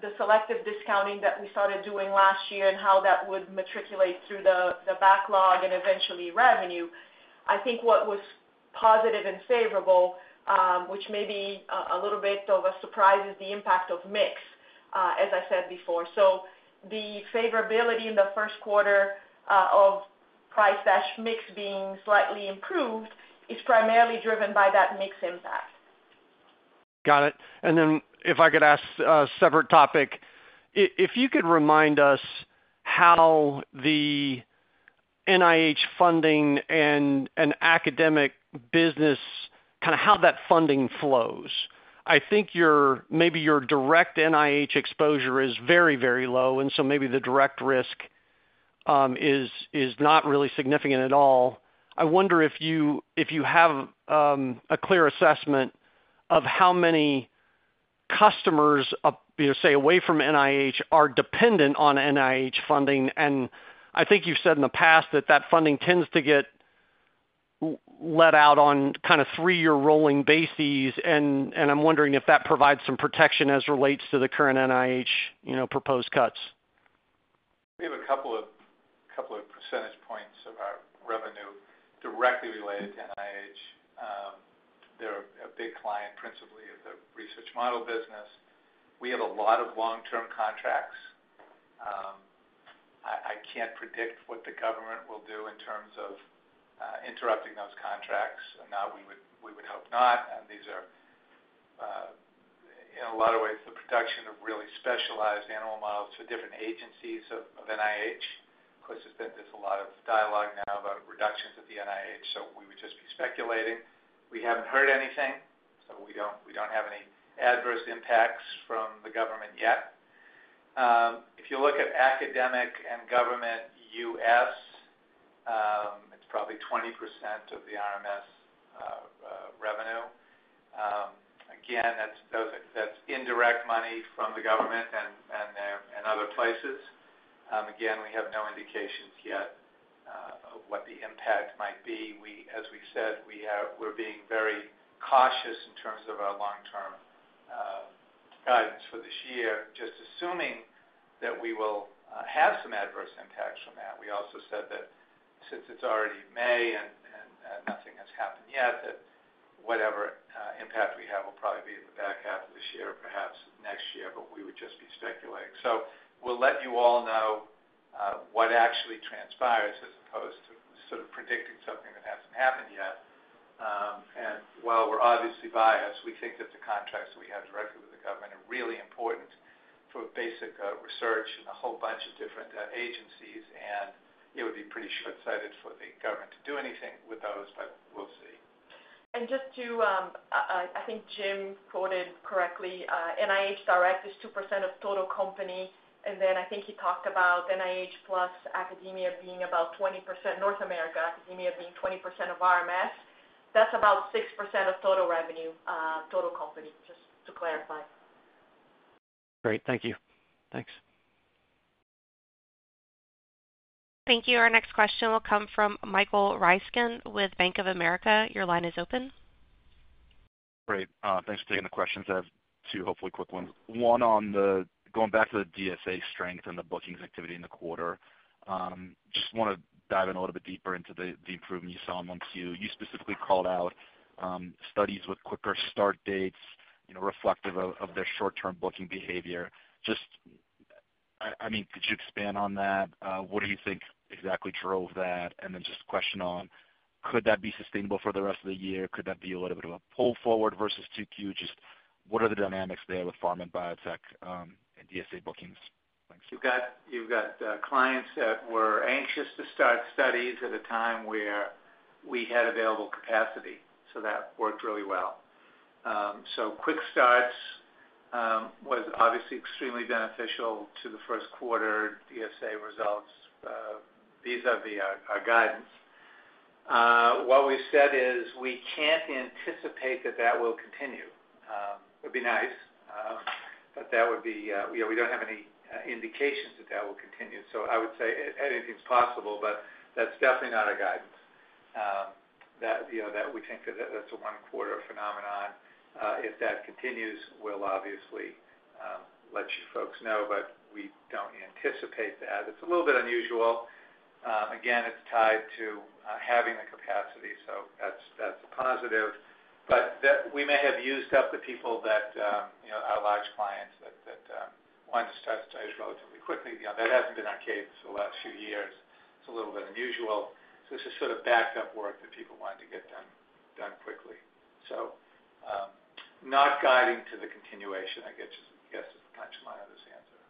the selective discounting that we started doing last year and how that would matriculate through the backlog and eventually revenue. I think what was positive and favorable, which may be a little bit of a surprise, is the impact of mix, as I said before. The favorability in the first quarter of price-mix being slightly improved is primarily driven by that mix impact. Got it. If I could ask a separate topic, if you could remind us how the NIH funding and academic business, kind of how that funding flows. I think maybe your direct NIH exposure is very, very low, and so maybe the direct risk is not really significant at all. I wonder if you have a clear assessment of how many customers, say, away from NIH are dependent on NIH funding. I think you've said in the past that that funding tends to get let out on kind of three-year rolling bases, and I'm wondering if that provides some protection as it relates to the current NIH proposed cuts. We have a couple of percentage points of our revenue directly related to NIH. They're a big client, principally, of the research model business. We have a lot of long-term contracts. I can't predict what the government will do in terms of interrupting those contracts. We would hope not. These are, in a lot of ways, the production of really specialized animal models for different agencies of NIH. Of course, there's been a lot of dialogue now about reductions at the NIH, so we would just be speculating. We haven't heard anything, so we don't have any adverse impacts from the government yet. If you look at academic and government US, it's probably 20% of the RMS revenue. Again, that's indirect money from the government and other places. Again, we have no indications yet of what the impact might be. As we said, we're being very cautious in terms of our long-term guidance for this year, just assuming that we will have some adverse impacts from that. We also said that since it's already May and nothing has happened yet, that whatever impact we have will probably be in the back half of this year, perhaps next year, but we would just be speculating. We will let you all know what actually transpires as opposed to sort of predicting something that hasn't happened yet. While we're obviously biased, we think that the contracts that we have directly with the government are really important for basic research and a whole bunch of different agencies, and it would be pretty shortsighted for the government to do anything with those, but we'll see. Just to, I think Jim quoted correctly, NIH direct is 2% of total company. I think he talked about NIH plus academia being about 20%, North America academia being 20% of RMS. That is about 6% of total revenue, total company, just to clarify. Great. Thank you. Thanks. Thank you. Our next question will come from Michael Reisken with Bank of America. Your line is open. Great. Thanks for taking the questions. I have two, hopefully, quick ones. One on the going back to the DSA strength and the bookings activity in the quarter. Just want to dive in a little bit deeper into the improvement you saw amongst you. You specifically called out studies with quicker start dates reflective of their short-term booking behavior. Just, I mean, could you expand on that? What do you think exactly drove that? And then just a question on, could that be sustainable for the rest of the year? Could that be a little bit of a pull forward versus Q2? Just what are the dynamics there with pharma and biotech and DSA bookings? Thanks. You've got clients that were anxious to start studies at a time where we had available capacity, so that worked really well. Quick starts was obviously extremely beneficial to the first quarter DSA results vis-à-vis our guidance. What we've said is we can't anticipate that that will continue. It would be nice, but we don't have any indications that that will continue. I would say anything's possible, but that's definitely not our guidance. We think that that's a one-quarter phenomenon. If that continues, we'll obviously let you folks know, but we don't anticipate that. It's a little bit unusual. Again, it's tied to having the capacity, so that's a positive. We may have used up the people that our large clients that wanted to start studies relatively quickly. That has not been our case for the last few years. It is a little bit unusual. This is sort of backup work that people wanted to get done quickly. Not guiding to the continuation. I guess that is the punchline of this answer.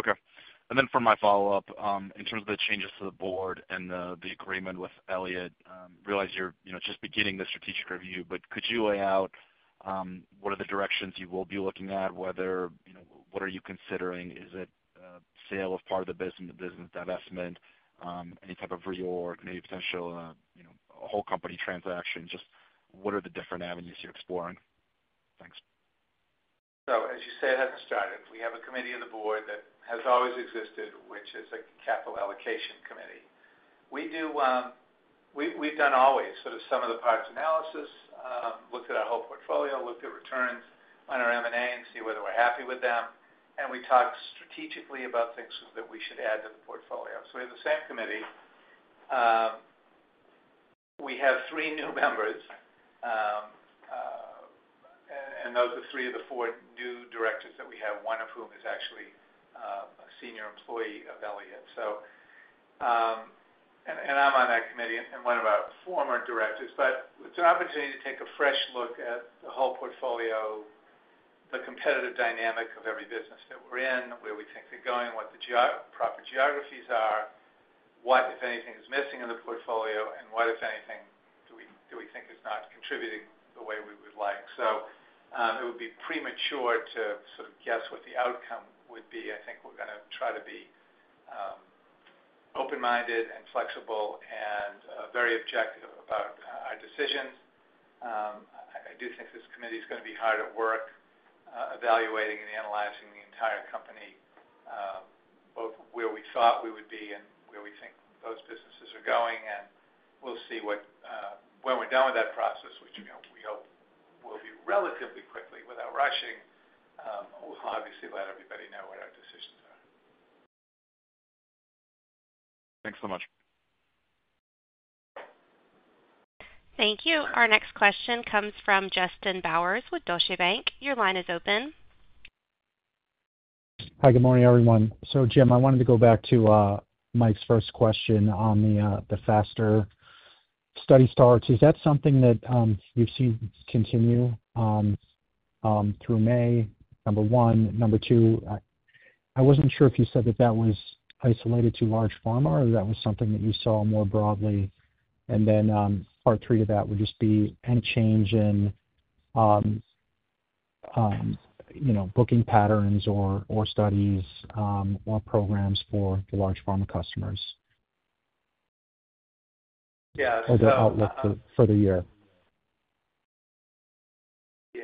Okay. For my follow-up, in terms of the changes to the board and the agreement with Elliott, realize you are just beginning the strategic review, but could you lay out what are the directions you will be looking at? What are you considering? Is it sale of part of the business, business divestment, any type of reorg, maybe potential whole company transaction? Just what are the different avenues you are exploring? Thanks. As you said, it has not started. We have a committee of the board that has always existed, which is a capital allocation committee. We've done always sort of some of the parts analysis, looked at our whole portfolio, looked at returns on our M&A and see whether we're happy with them. We talk strategically about things that we should add to the portfolio. We have the same committee. We have three new members, and those are three of the four new directors that we have, one of whom is actually a senior employee of Elliott. I'm on that committee and one of our former directors. It is an opportunity to take a fresh look at the whole portfolio, the competitive dynamic of every business that we are in, where we think they are going, what the proper geographies are, what, if anything, is missing in the portfolio, and what, if anything, do we think is not contributing the way we would like. It would be premature to sort of guess what the outcome would be. I think we are going to try to be open-minded and flexible and very objective about our decisions. I do think this committee is going to be hard at work evaluating and analyzing the entire company, both where we thought we would be and where we think those businesses are going. We will see when we are done with that process, which we hope will be relatively quickly without rushing. We will obviously let everybody know what our decisions are. Thanks so much. Thank you. Our next question comes from Justin Bowers with Deutsche Bank. Your line is open. Hi. Good morning, everyone. So Jim, I wanted to go back to Mike's first question on the faster study starts. Is that something that you've seen continue through May? Number one. Number two, I wasn't sure if you said that that was isolated to large pharma or that was something that you saw more broadly. Part three to that would just be any change in booking patterns or studies or programs for large pharma customers or the outlook for the year. Yeah.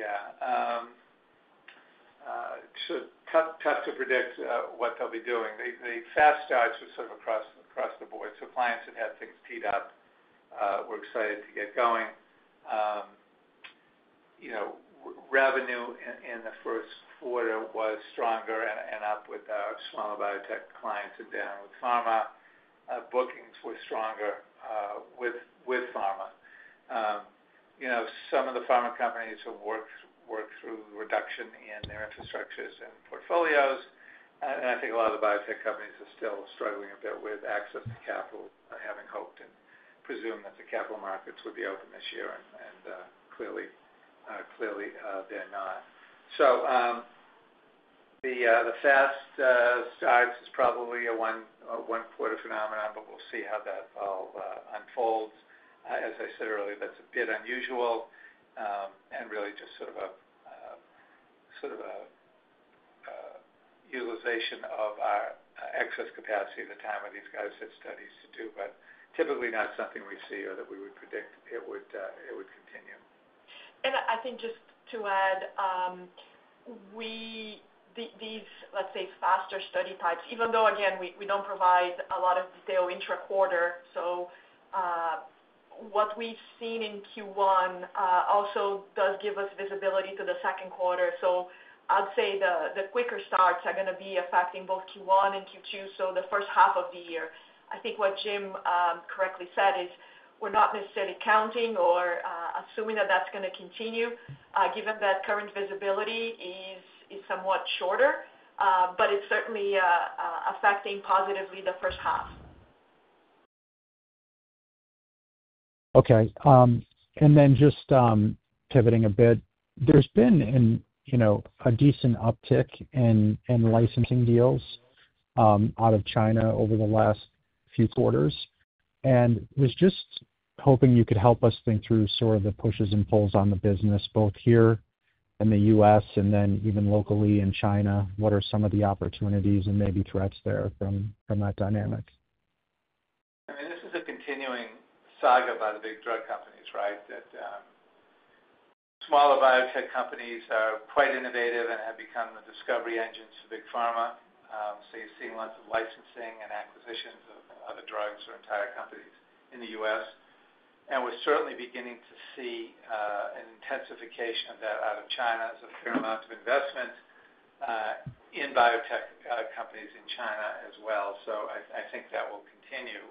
It's tough to predict what they'll be doing. The fast starts were sort of across the board. Clients had had things teed up, were excited to get going. Revenue in the first quarter was stronger and up with our small biotech clients and down with pharma. Bookings were stronger with pharma. Some of the pharma companies have worked through reduction in their infrastructures and portfolios. I think a lot of the biotech companies are still struggling a bit with access to capital, having hoped and presumed that the capital markets would be open this year, and clearly they're not. The fast starts is probably a one-quarter phenomenon, but we'll see how that all unfolds. As I said earlier, that's a bit unusual and really just sort of a utilization of our excess capacity at the time of these guys' studies to do, but typically not something we see or that we would predict it would continue. I think just to add, these, let's say, faster study types, even though, again, we don't provide a lot of detail intra-quarter. What we've seen in Q1 also does give us visibility to the second quarter. I'd say the quicker starts are going to be affecting both Q1 and Q2, so the first half of the year. I think what Jim correctly said is we're not necessarily counting or assuming that that's going to continue, given that current visibility is somewhat shorter, but it's certainly affecting positively the first half. Okay. Just pivoting a bit, there's been a decent uptick in licensing deals out of China over the last few quarters. Was just hoping you could help us think through sort of the pushes and pulls on the business, both here and the U.S., and then even locally in China. What are some of the opportunities and maybe threats there from that dynamic? I mean, this is a continuing saga by the big drug companies, right? Smaller biotech companies are quite innovative and have become the discovery engines for big pharma. You have seen lots of licensing and acquisitions of other drugs or entire companies in the U.S. We are certainly beginning to see an intensification of that out of China as there is a fair amount of investment in biotech companies in China as well. I think that will continue.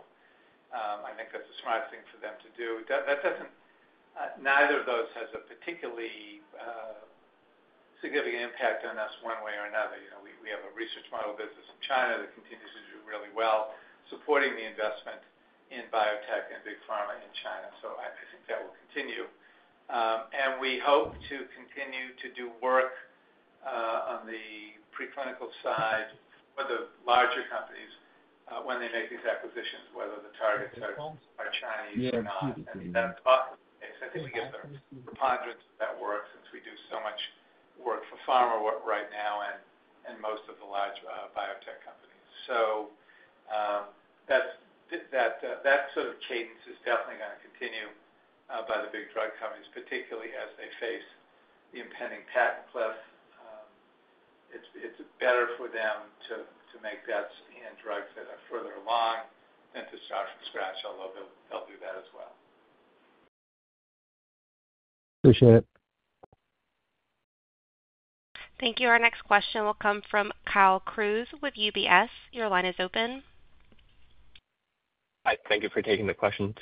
I think that is a smart thing for them to do. Neither of those has a particularly significant impact on us one way or another. We have a research model business in China that continues to do really well, supporting the investment in biotech and big pharma in China. I think that will continue. We hope to continue to do work on the preclinical side for the larger companies when they make these acquisitions, whether the targets are Chinese or not. I mean, that is possible. I think we get the preponderance of that work since we do so much work for pharma right now and most of the large biotech companies. So that sort of cadence is definitely going to continue by the big drug companies, particularly as they face the impending patent cliff. It's better for them to make bets in drugs that are further along than to start from scratch, although they'll do that as well. Appreciate it. Thank you. Our next question will come from Kyle Cruz with UBS. Your line is open. Hi. Thank you for taking the question.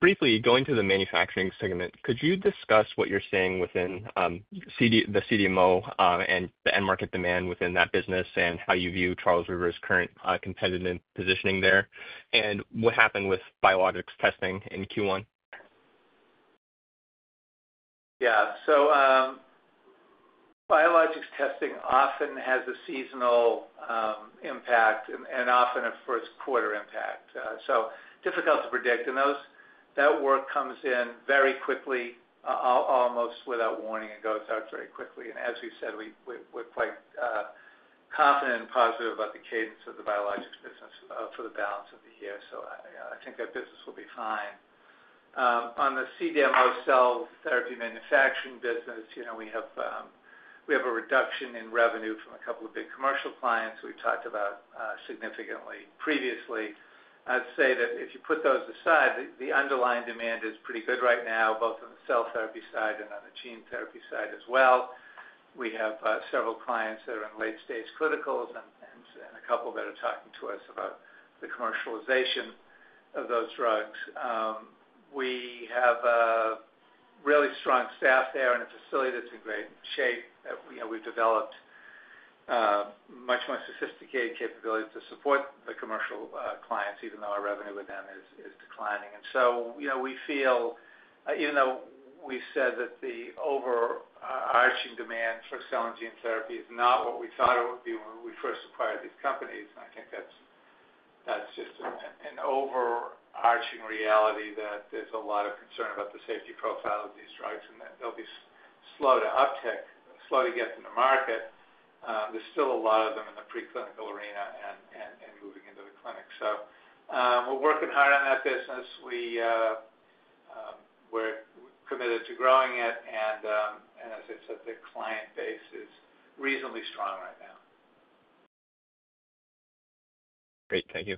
Briefly, going to the manufacturing segment, could you discuss what you're seeing within the CDMO and the end market demand within that business and how you view Charles River's current competitive positioning there? And what happened with biologics testing in Q1? Yeah. Biologics testing often has a seasonal impact and often a first-quarter impact. Difficult to predict. That work comes in very quickly, almost without warning. It goes out very quickly. As we said, we're quite confident and positive about the cadence of the biologics business for the balance of the year. I think that business will be fine. On the CDMO cell therapy manufacturing business, we have a reduction in revenue from a couple of big commercial clients we've talked about significantly previously. I'd say that if you put those aside, the underlying demand is pretty good right now, both on the cell therapy side and on the gene therapy side as well. We have several clients that are in late-stage clinicals and a couple that are talking to us about the commercialization of those drugs. We have a really strong staff there and a facility that is in great shape that we have developed much more sophisticated capabilities to support the commercial clients, even though our revenue with them is declining. We feel, even though we have said that the overarching demand for cell and gene therapy is not what we thought it would be when we first acquired these companies, and I think that is just an overarching reality that there is a lot of concern about the safety profile of these drugs and that they will be slow to uptick, slow to get to the market. There are still a lot of them in the preclinical arena and moving into the clinic. We are working hard on that business. We are committed to growing it. As I said, the client base is reasonably strong right now. Great. Thank you.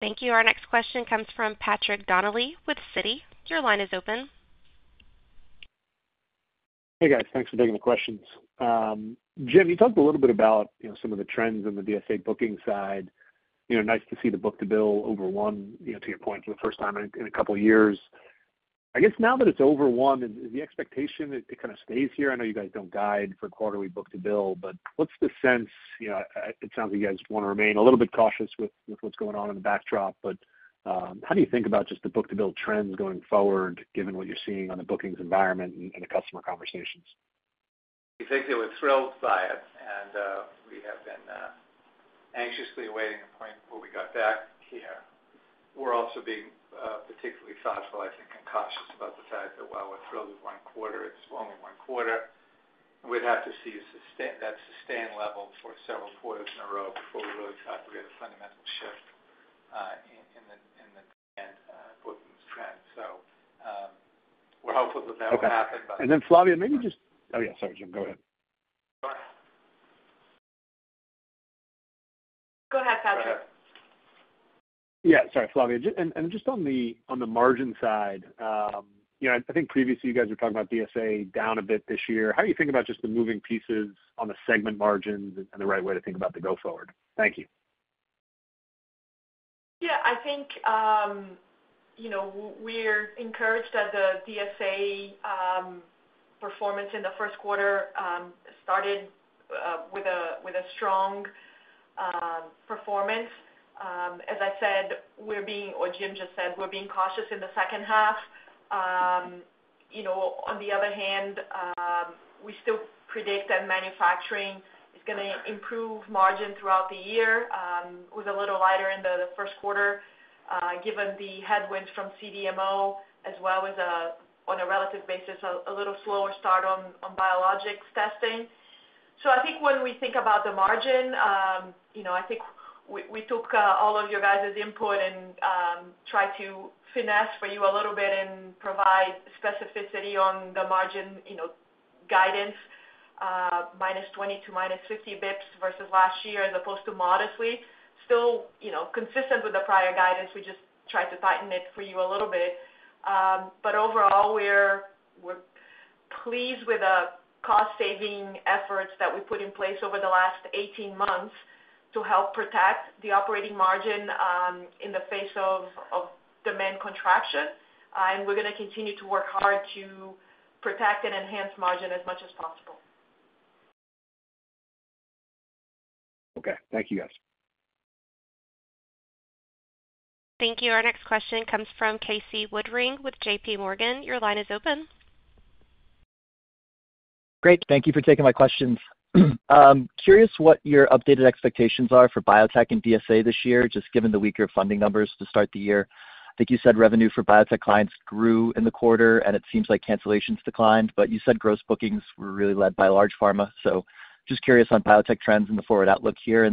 Thank you. Our next question comes from Patrick Donnelly with Citi. Your line is open. Hey, guys. Thanks for taking the questions. Jim, you talked a little bit about some of the trends in the DSA booking side. Nice to see the book-to-bill over one, to your point, for the first time in a couple of years. I guess now that it's over one, is the expectation that it kind of stays here? I know you guys don't guide for quarterly book-to-bill, but what's the sense? It sounds like you guys want to remain a little bit cautious with what's going on in the backdrop, but how do you think about just the book-to-bill trends going forward, given what you're seeing on the bookings environment and the customer conversations? I think they were thrilled by it, and we have been anxiously awaiting a point where we got back here. We're also being particularly thoughtful, I think, and cautious about the fact that while we're thrilled with one quarter, it's only one quarter. We'd have to see that sustain level for several quarters in a row before we really thought we had a fundamental shift in the bookings trend. We're hopeful that that will happen, but. Flavia, maybe just—oh, yeah. Sorry, Jim. Go ahead. Go ahead. Go ahead, Patrick. Yeah. Sorry, Flavia. Just on the margin side, I think previously you guys were talking about DSA down a bit this year. How do you think about just the moving pieces on the segment margins and the right way to think about the go-forward? Thank you. I think we're encouraged that the DSA performance in the first quarter started with a strong performance. As I said, we're being—or Jim just said—we're being cautious in the second half. On the other hand, we still predict that manufacturing is going to improve margin throughout the year, was a little lighter in the first quarter given the headwinds from CDMO, as well as, on a relative basis, a little slower start on biologics testing. I think when we think about the margin, I think we took all of your guys' input and tried to finesse for you a little bit and provide specificity on the margin guidance, minus 20 to minus 50 basis points versus last year as opposed to modestly. Still consistent with the prior guidance, we just tried to tighten it for you a little bit. Overall, we're pleased with the cost-saving efforts that we put in place over the last 18 months to help protect the operating margin in the face of demand contraction. We're going to continue to work hard to protect and enhance margin as much as possible. Thank you, guys. Thank you. Our next question comes from Casey Woodring with JPMorgan. Your line is open. Great. Thank you for taking my questions. Curious what your updated expectations are for biotech and DSA this year, just given the weaker funding numbers to start the year. I think you said revenue for biotech clients grew in the quarter, and it seems like cancellations declined. You said gross bookings were really led by large pharma. Just curious on biotech trends and the forward outlook here.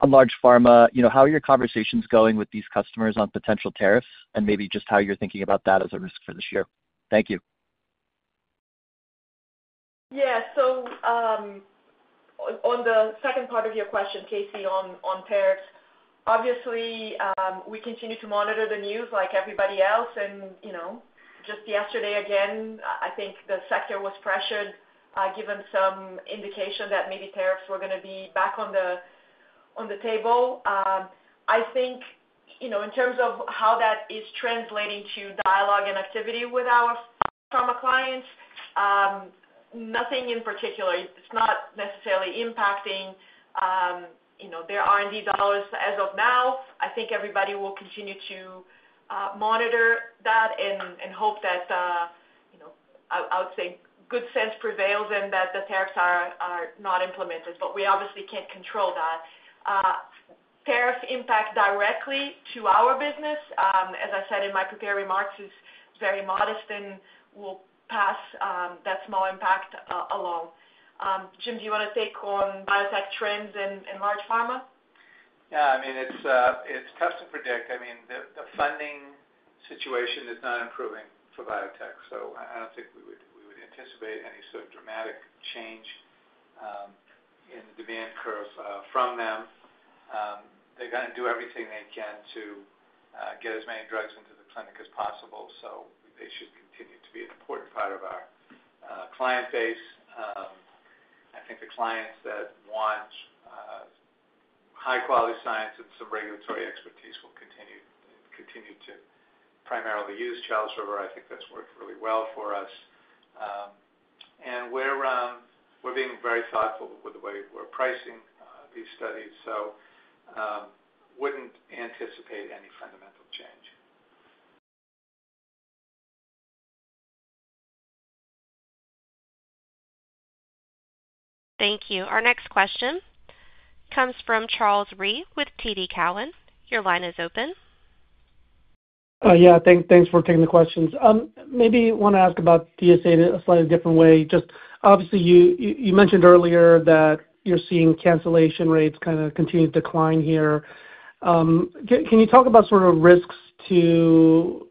On large pharma, how are your conversations going with these customers on potential tariffs and maybe just how you're thinking about that as a risk for this year? Thank you. Yeah. On the second part of your question, Casey, on tariffs, obviously, we continue to monitor the news like everybody else. Just yesterday, again, I think the sector was pressured, given some indication that maybe tariffs were going to be back on the table. I think in terms of how that is translating to dialogue and activity with our pharma clients, nothing in particular. It's not necessarily impacting their R&D dollars as of now. I think everybody will continue to monitor that and hope that, I would say, good sense prevails and that the tariffs are not implemented. We obviously can't control that. Tariff impact directly to our business, as I said in my prepared remarks, is very modest and will pass that small impact along. Jim, do you want to take on biotech trends in large pharma? Yeah. I mean, it's tough to predict. I mean, the funding situation is not improving for biotech. So I don't think we would anticipate any sort of dramatic change in the demand curve from them. They're going to do everything they can to get as many drugs into the clinic as possible. They should continue to be an important part of our client base. I think the clients that want high-quality science and some regulatory expertise will continue to primarily use Charles River. I think that's worked really well for us. We're being very thoughtful with the way we're pricing these studies, so wouldn't anticipate any fundamental change. Thank you. Our next question comes from Charles Reid with TD Cowan. Your line is open. Yeah. Thanks for taking the questions. Maybe want to ask about DSA in a slightly different way. Just obviously, you mentioned earlier that you're seeing cancellation rates kind of continue to decline here. Can you talk about sort of risks to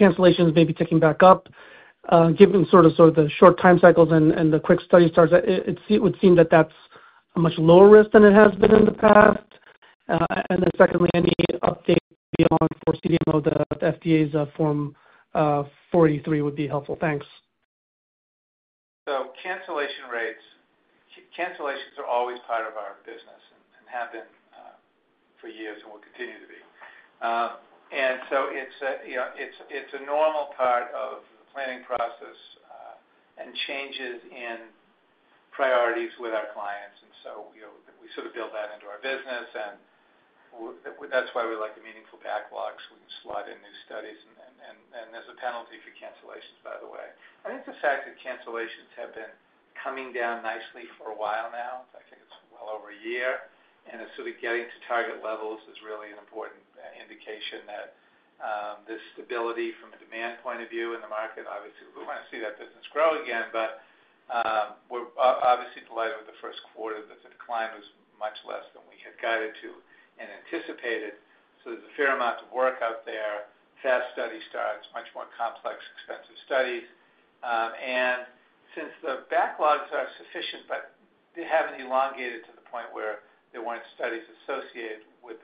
cancellations maybe ticking back up, given sort of the short time cycles and the quick study starts? It would seem that that's a much lower risk than it has been in the past. Secondly, any update maybe on for CDMO, the FDA's Form 43 would be helpful. Thanks. Cancellation rates, cancellations are always part of our business and have been for years and will continue to be. It's a normal part of the planning process and changes in priorities with our clients. We sort of build that into our business. That is why we like the meaningful backlogs. We can slot in new studies. There is a penalty for cancellations, by the way. I think the fact that cancellations have been coming down nicely for a while now, I think it is well over a year. Getting to target levels is really an important indication that there is stability from a demand point of view in the market. Obviously, we want to see that business grow again, but we are obviously delighted with the first quarter. The decline was much less than we had guided to and anticipated. There is a fair amount of work out there, fast study starts, much more complex, expensive studies. Since the backlogs are sufficient, but they have not elongated to the point where there were not studies associated with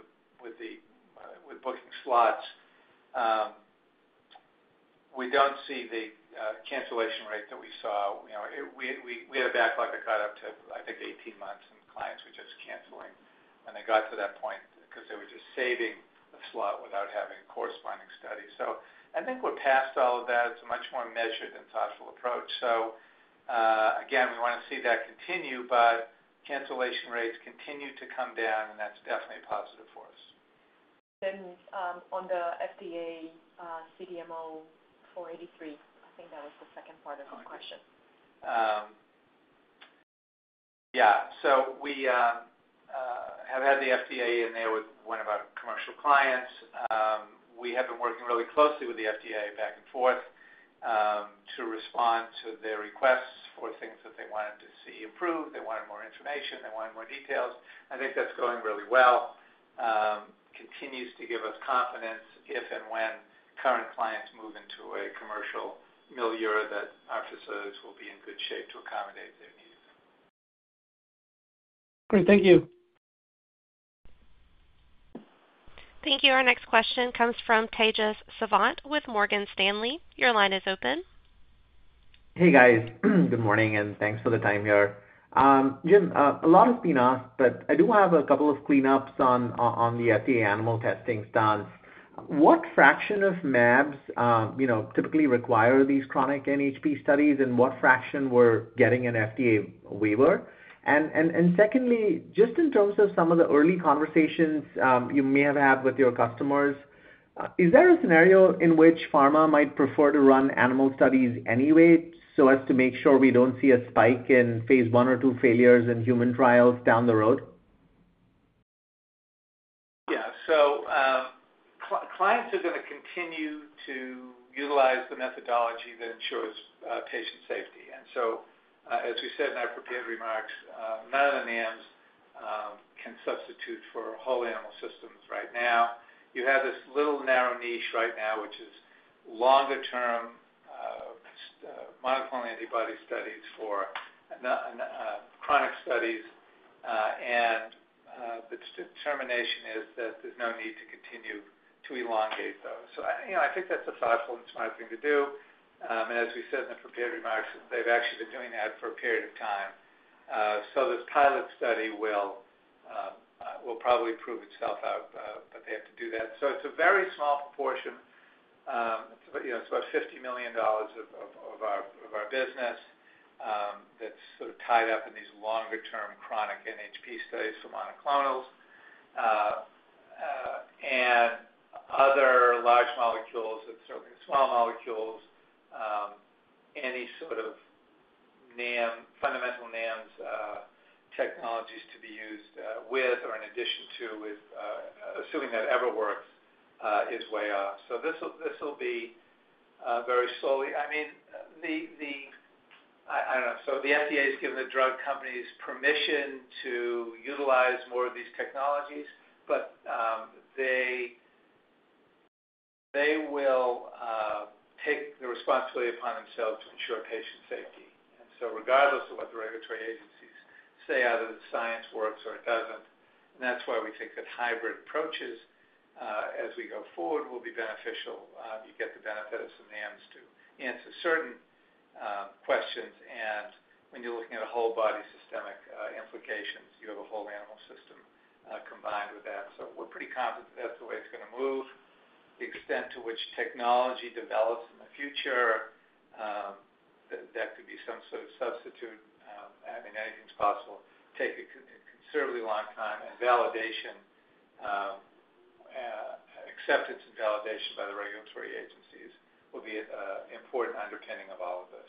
booking slots, we do not see the cancellation rate that we saw. We had a backlog that got up to, I think, 18 months, and clients were just canceling when they got to that point because they were just saving a slot without having corresponding studies. I think we are past all of that. It is a much more measured and thoughtful approach. We want to see that continue, but cancellation rates continue to come down, and that is definitely positive for us. On the FDA CDMO 483, I think that was the second part of your question. Yeah. We have had the FDA in there with one of our commercial clients. We have been working really closely with the FDA back and forth to respond to their requests for things that they wanted to see improved. They wanted more information. They wanted more details. I think that's going really well. Continues to give us confidence if and when current clients move into a commercial milieu that our facilities will be in good shape to accommodate their needs. Great. Thank you. Thank you. Our next question comes from Tejas Savant with Morgan Stanley. Your line is open. Hey, guys. Good morning, and thanks for the time here. Jim, a lot has been asked, but I do have a couple of cleanups on the FDA animal testing stance. What fraction of MABs typically require these chronic NHP studies, and what fraction were getting an FDA waiver? Secondly, just in terms of some of the early conversations you may have had with your customers, is there a scenario in which pharma might prefer to run animal studies anyway so as to make sure we do not see a spike in phase one or two failures in human trials down the road? Yeah. Clients are going to continue to utilize the methodology that ensures patient safety. As we said in our prepared remarks, none of the NAMs can substitute for whole animal systems right now. You have this little narrow niche right now, which is longer-term monoclonal antibody studies for chronic studies. The determination is that there is no need to continue to elongate those. I think that is a thoughtful and smart thing to do. As we said in the prepared remarks, they have actually been doing that for a period of time. This pilot study will probably prove itself out, but they have to do that. It is a very small proportion. It is about $50 million of our business that is sort of tied up in these longer-term chronic NHP studies for monoclonals and other large molecules and certainly small molecules, any sort of fundamental NAMs technologies to be used with or in addition to, assuming that Everworks is way off. This will be very slowly. I mean, I do not know. The FDA has given the drug companies permission to utilize more of these technologies, but they will take the responsibility upon themselves to ensure patient safety. Regardless of what the regulatory agencies say, either the science works or it does not, and that is why we think that hybrid approaches as we go forward will be beneficial. You get the benefit of some NAMs to answer certain questions. When you're looking at a whole body systemic implications, you have a whole animal system combined with that. We're pretty confident that that's the way it's going to move. The extent to which technology develops in the future, that could be some sort of substitute. I mean, anything's possible. Take a considerably long time, and acceptance and validation by the regulatory agencies will be important underpinning of all of this.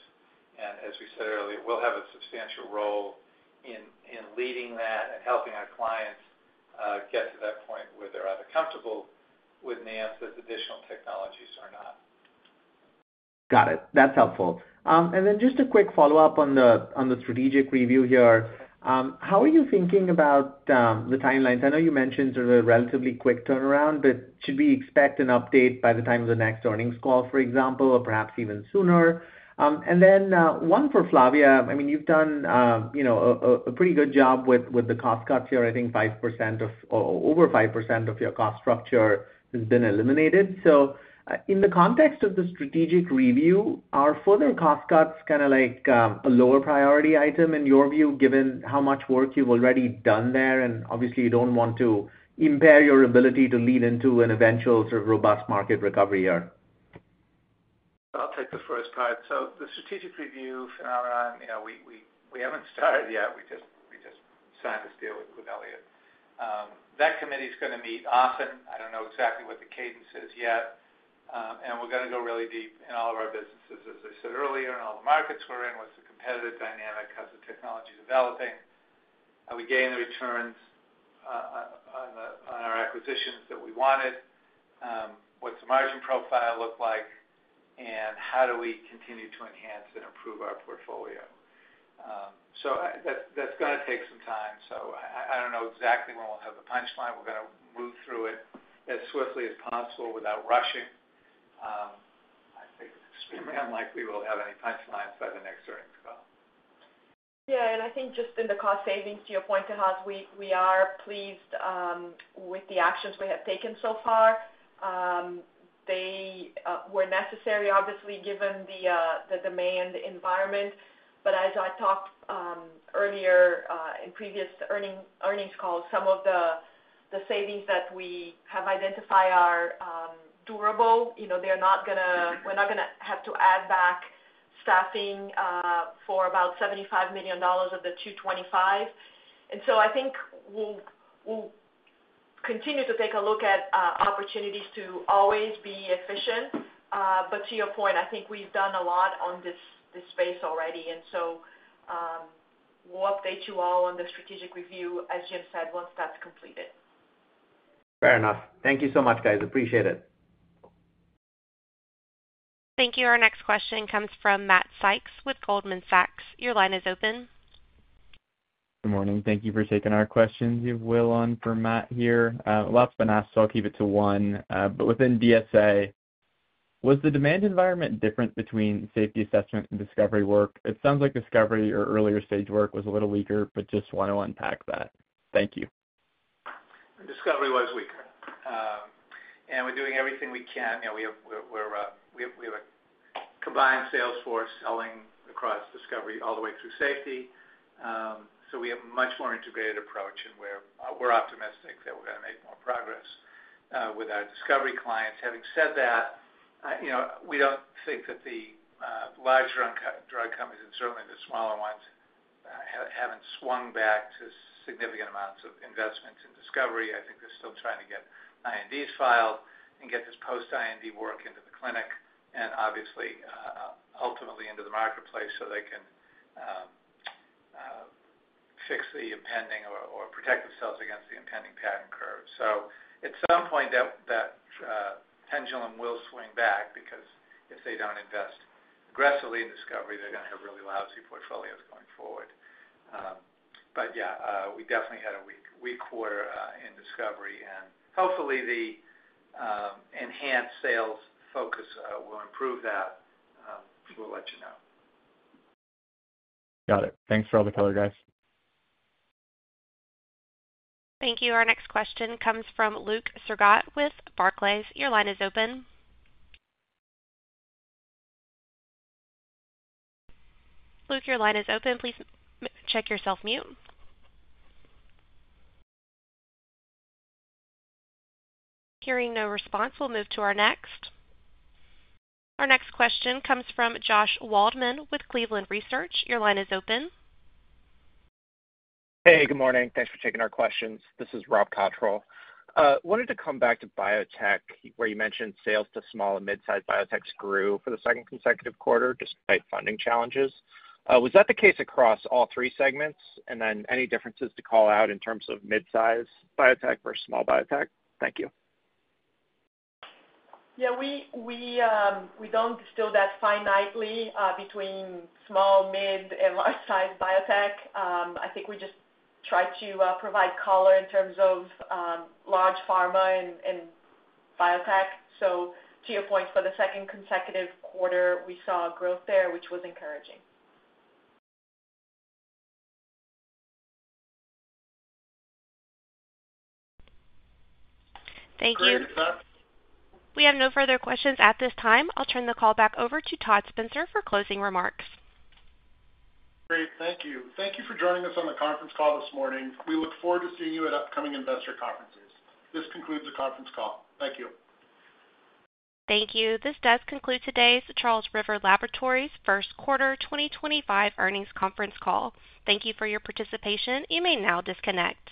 As we said earlier, we'll have a substantial role in leading that and helping our clients get to that point where they're either comfortable with NAMs as additional technologies or not. Got it. That's helpful. Just a quick follow-up on the strategic review here. How are you thinking about the timelines? I know you mentioned sort of a relatively quick turnaround, but should we expect an update by the time of the next earnings call, for example, or perhaps even sooner? One for Flavia. I mean, you've done a pretty good job with the cost cuts here. I think over 5% of your cost structure has been eliminated. In the context of the strategic review, are further cost cuts kind of like a lower priority item in your view, given how much work you've already done there? Obviously, you don't want to impair your ability to lean into an eventual sort of robust market recovery here. I'll take the first part. The strategic review phenomenon, we haven't started yet. We just signed this deal with Quinelia. That committee's going to meet often. I don't know exactly what the cadence is yet. We are going to go really deep in all of our businesses, as I said earlier, and all the markets we are in, what is the competitive dynamic, how is the technology developing, how we gain the returns on our acquisitions that we wanted, what does the margin profile look like, and how do we continue to enhance and improve our portfolio. That is going to take some time. I do not know exactly when we will have the punchline. We are going to move through it as swiftly as possible without rushing. I think it is extremely unlikely we will have any punchlines by the next earnings call. Yeah. I think just in the cost savings, to your point, Tejas, we are pleased with the actions we have taken so far. They were necessary, obviously, given the demand environment. As I talked earlier in previous earnings calls, some of the savings that we have identified are durable. They're not going to—we're not going to have to add back staffing for about $75 million of the $225 million. I think we'll continue to take a look at opportunities to always be efficient. To your point, I think we've done a lot in this space already. We'll update you all on the strategic review, as Jim said, once that's completed. Fair enough. Thank you so much, guys. Appreciate it. Thank you. Our next question comes from Matt Sykes with Goldman Sachs. Your line is open. Good morning. Thank you for taking our questions. You have Will on for Matt here. Lots been asked, so I'll keep it to one. Within DSA, was the demand environment different between safety assessment and discovery work? It sounds like discovery or earlier stage work was a little weaker, but just want to unpack that. Thank you. Discovery was weaker. And we're doing everything we can. We have a combined sales force selling across discovery all the way through safety. So we have a much more integrated approach, and we're optimistic that we're going to make more progress with our discovery clients. Having said that, we don't think that the larger drug companies and certainly the smaller ones haven't swung back to significant amounts of investments in discovery. I think they're still trying to get INDs filed and get this post-IND work into the clinic and obviously, ultimately, into the marketplace so they can fix the impending or protect themselves against the impending patent curve. At some point, that pendulum will swing back because if they do not invest aggressively in discovery, they are going to have really lousy portfolios going forward. Yeah, we definitely had a weak quarter in discovery. Hopefully, the enhanced sales focus will improve that. We will let you know. Got it. Thanks for all the color, guys. Thank you. Our next question comes from Luke Sargot with Barclays. Your line is open. Luke, your line is open. Please check yourself mute. Hearing no response, we will move to our next. Our next question comes from Josh Waldman with Cleveland Research. Your line is open. Hey, good morning. Thanks for taking our questions. This is Rob Cottrell. I wanted to come back to biotech where you mentioned sales to small and mid-size biotechs grew for the second consecutive quarter despite funding challenges. Was that the case across all three segments? Any differences to call out in terms of mid-size biotech versus small biotech? Thank you. Yeah. We do not distill that finitely between small, mid, and large-sized biotech. I think we just try to provide color in terms of large pharma and biotech. To your point, for the second consecutive quarter, we saw growth there, which was encouraging. Thank you. We have no further questions at this time. I will turn the call back over to Todd Spencer for closing remarks. Great. Thank you. Thank you for joining us on the conference call this morning. We look forward to seeing you at upcoming investor conferences. This concludes the conference call. Thank you. Thank you. This does conclude today's Charles River Laboratories first quarter 2025 earnings conference call. Thank you for your participation. You may now disconnect.